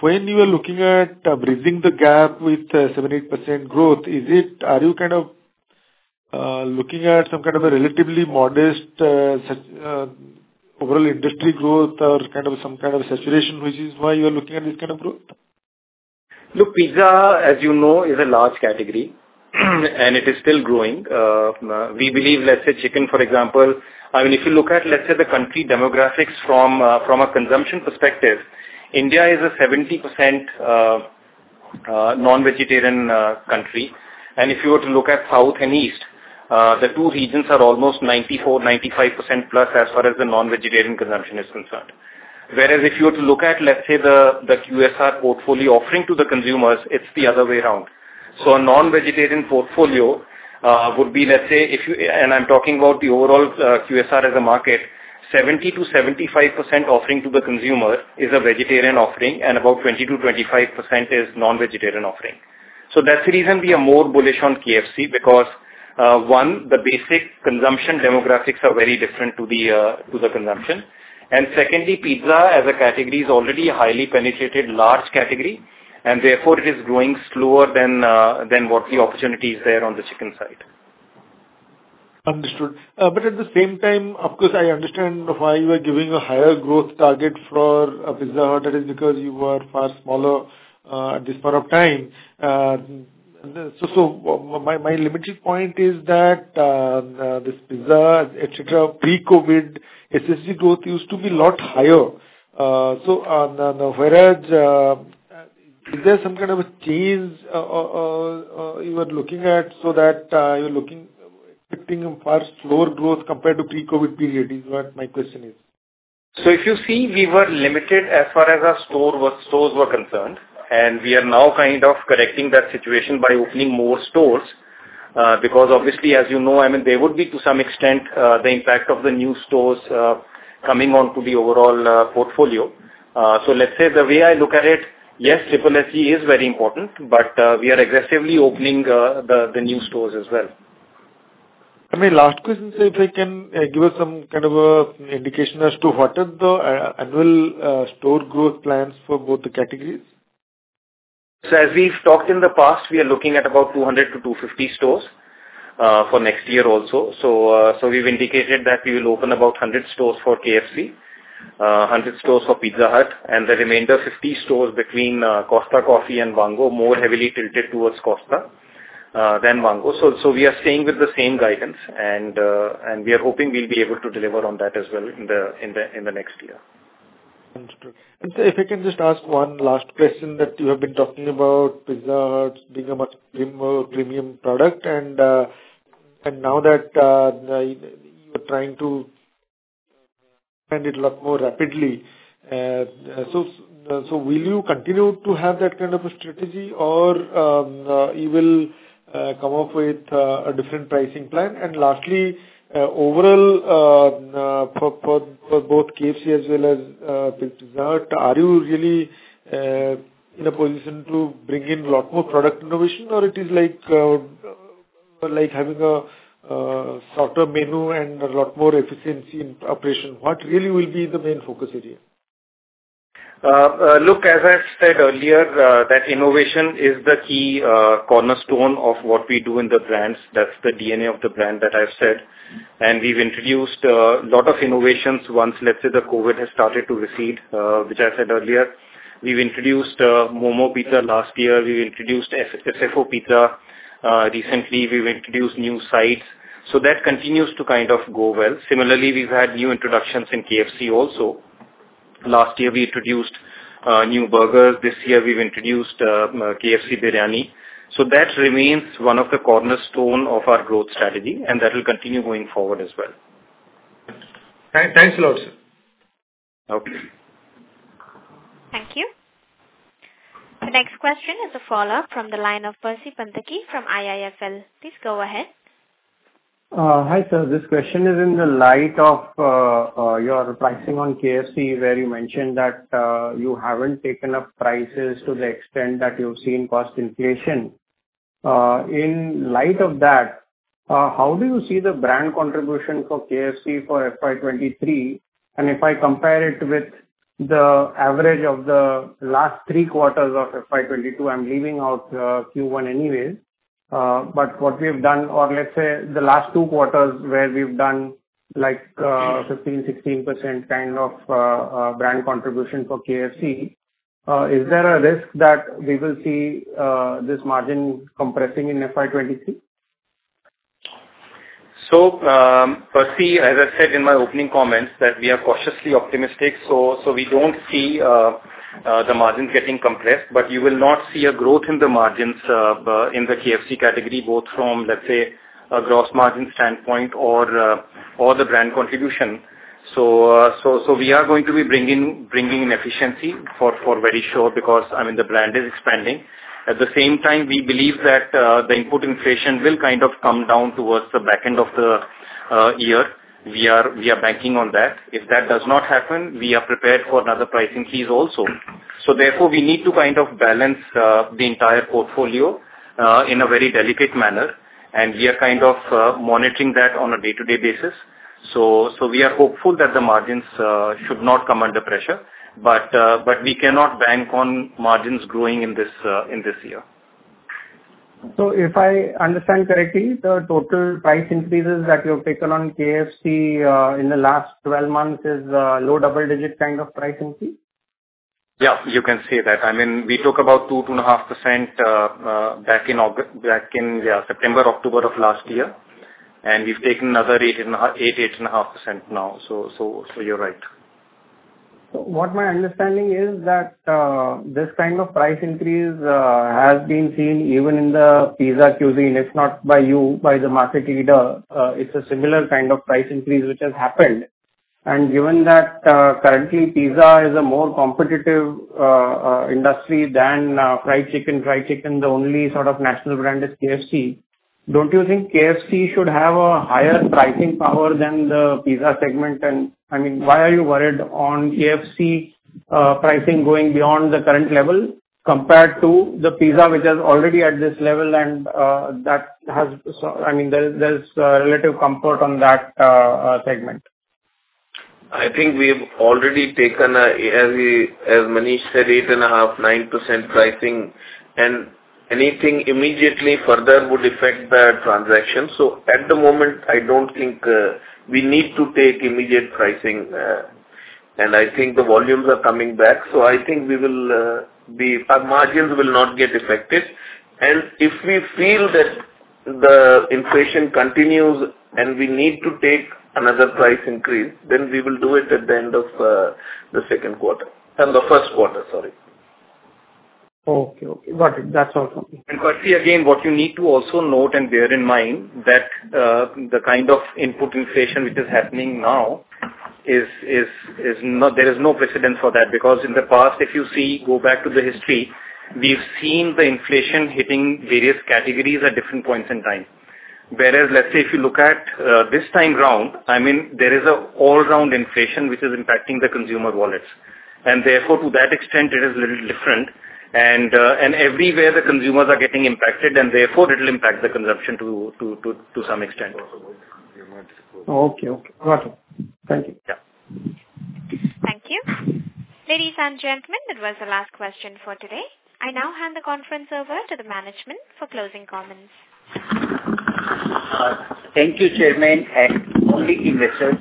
when you are looking at bridging the gap with 7%-8% growth, are you kind of looking at some kind of a relatively modest overall industry growth or kind of some kind of saturation, which is why you are looking at this kind of growth? Look, pizza, as you know, is a large category, and it is still growing. We believe, let's say chicken, for example. I mean, if you look at, let's say, the country demographics from a consumption perspective, India is a 70% non-vegetarian country. If you were to look at South and East, the two regions are almost 94%-95% plus as far as the non-vegetarian consumption is concerned. Whereas if you were to look at, let's say, the QSR portfolio offering to the consumers, it's the other way around. A non-vegetarian portfolio would be, and I'm talking about the overall QSR as a market, 70%-75% offering to the consumer is a vegetarian offering, and about 20%-25% is non-vegetarian offering. That's the reason we are more bullish on KFC because one, the basic consumption demographics are very different to the consumption. Secondly, pizza as a category is already a highly penetrated large category and therefore it is growing slower than what the opportunity is there on the chicken side. Understood. At the same time, of course, I understand why you are giving a higher growth target for Pizza Hut. That is because you are far smaller at this point of time. My limited point is that this Pizza Hut, et cetera, pre-COVID SSG growth used to be a lot higher. Whereas you are expecting a far slower growth compared to pre-COVID period? Is what my question is. If you see, we were limited as far as our stores were concerned, and we are now kind of correcting that situation by opening more stores, because obviously, as you know, I mean, there would be to some extent the impact of the new stores coming onto the overall portfolio. Let's say the way I look at it, yes, SSG is very important, but we are aggressively opening the new stores as well. I mean, last question, sir. If you can give us some kind of a indication as to what are the annual store growth plans for both the categories? As we've talked in the past, we are looking at about 200-250 stores for next year also. We've indicated that we will open about 100 stores for KFC, 100 stores for Pizza Hut, and the remainder 50 stores between Costa Coffee and Vaango more heavily tilted towards Costa than Vaango. We are staying with the same guidance and we are hoping we'll be able to deliver on that as well in the next year. Understood. Sir, if I can just ask one last question that you have been talking about Pizza Hut being a much premium product and now that you're trying to expand it a lot more rapidly. So will you continue to have that kind of a strategy or will you come up with a different pricing plan? Lastly, overall, for both KFC as well as Pizza Hut, are you really in a position to bring in a lot more product innovation or is it like having a sort of menu and a lot more efficiency in operation? What really will be the main focus area? Look, as I said earlier, that innovation is the key cornerstone of what we do in the brands. That's the DNA of the brand that I've said. We've introduced lot of innovations once, let's say, the COVID has started to recede, which I said earlier. We've introduced Momo Mia last year. We've introduced San Francisco Style pizza. Recently we've introduced new sides. That continues to kind of go well. Similarly, we've had new introductions in KFC also. Last year we introduced new burgers. This year we've introduced KFC Biryani. That remains one of the cornerstone of our growth strategy, and that will continue going forward as well. Thanks. Thanks a lot, sir. Okay. Thank you. The next question is a follow-up from the line of Percy Panthaki from IIFL. Please go ahead. Hi sir. This question is in the light of your pricing on KFC where you mentioned that you haven't taken up prices to the extent that you've seen cost inflation. In light of that, how do you see the brand contribution for KFC for FY 2023? If I compare it with the average of the last three quarters of FY 2022, I'm leaving out Q1 anyways, but what we've done or let's say the last two quarters where we've done like 15, 16% kind of brand contribution for KFC, is there a risk that we will see this margin compressing in FY 2023? Percy, as I said in my opening comments that we are cautiously optimistic, we don't see the margins getting compressed, but you will not see a growth in the margins in the KFC category, both from, let's say, a gross margin standpoint or the brand contribution. We are going to be bringing in efficiency for very sure, because, I mean, the brand is expanding. At the same time, we believe that the input inflation will kind of come down towards the back end of the year. We are banking on that. If that does not happen, we are prepared for another pricing increase also. Therefore, we need to kind of balance the entire portfolio in a very delicate manner, and we are kind of monitoring that on a day-to-day basis. We are hopeful that the margins should not come under pressure, but we cannot bank on margins growing in this year. If I understand correctly, the total price increases that you have taken on KFC in the last 12 months is low double digit kind of price increase? Yeah, you can say that. I mean, we took about 2.5% back in September, October of last year. We've taken another 8.5% now. You're right. What my understanding is that this kind of price increase has been seen even in the pizza cuisine. If not by you, by the market leader, it's a similar kind of price increase which has happened. Given that, currently pizza is a more competitive industry than fried chicken. Fried chicken, the only sort of national brand is KFC. Don't you think KFC should have a higher pricing power than the pizza segment? I mean, why are you worried on KFC pricing going beyond the current level compared to the pizza which is already at this level and that has, so I mean, there's relative comfort on that segment. I think we've already taken, as Manish said, 8.5%-9% pricing and anything immediately further would affect the transaction. At the moment, I don't think we need to take immediate pricing, and I think the volumes are coming back. I think our margins will not get affected. If we feel that the inflation continues and we need to take another price increase, then we will do it at the end of the first quarter. Sorry. Okay. Okay, got it. That's all. Percy, again, what you need to also note and bear in mind that the kind of input inflation which is happening now is not, there is no precedent for that. Because in the past, if you see, go back to the history, we've seen the inflation hitting various categories at different points in time. Whereas, let's say if you look at this time round, I mean there is an all-round inflation which is impacting the consumer wallets. Therefore to that extent it is little different and everywhere the consumers are getting impacted and therefore it will impact the consumption to some extent. Okay. Got it. Thank you. Yeah. Thank you. Ladies and gentlemen, that was the last question for today. I now hand the conference over to the management for closing comments. Thank you, Chairman, and all the investors,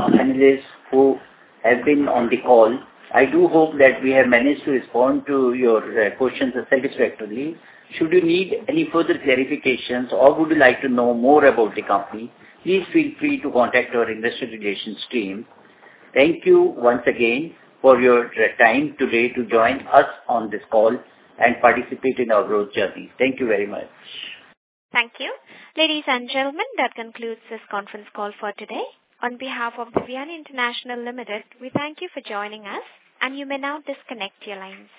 our analysts who have been on the call. I do hope that we have managed to respond to your questions satisfactorily. Should you need any further clarifications or would you like to know more about the company, please feel free to contact our investor relations team. Thank you once again for your time today to join us on this call and participate in our growth journey. Thank you very much. Thank you. Ladies and gentlemen, that concludes this conference call for today. On behalf of Devyani International Limited, we thank you for joining us and you may now disconnect your lines.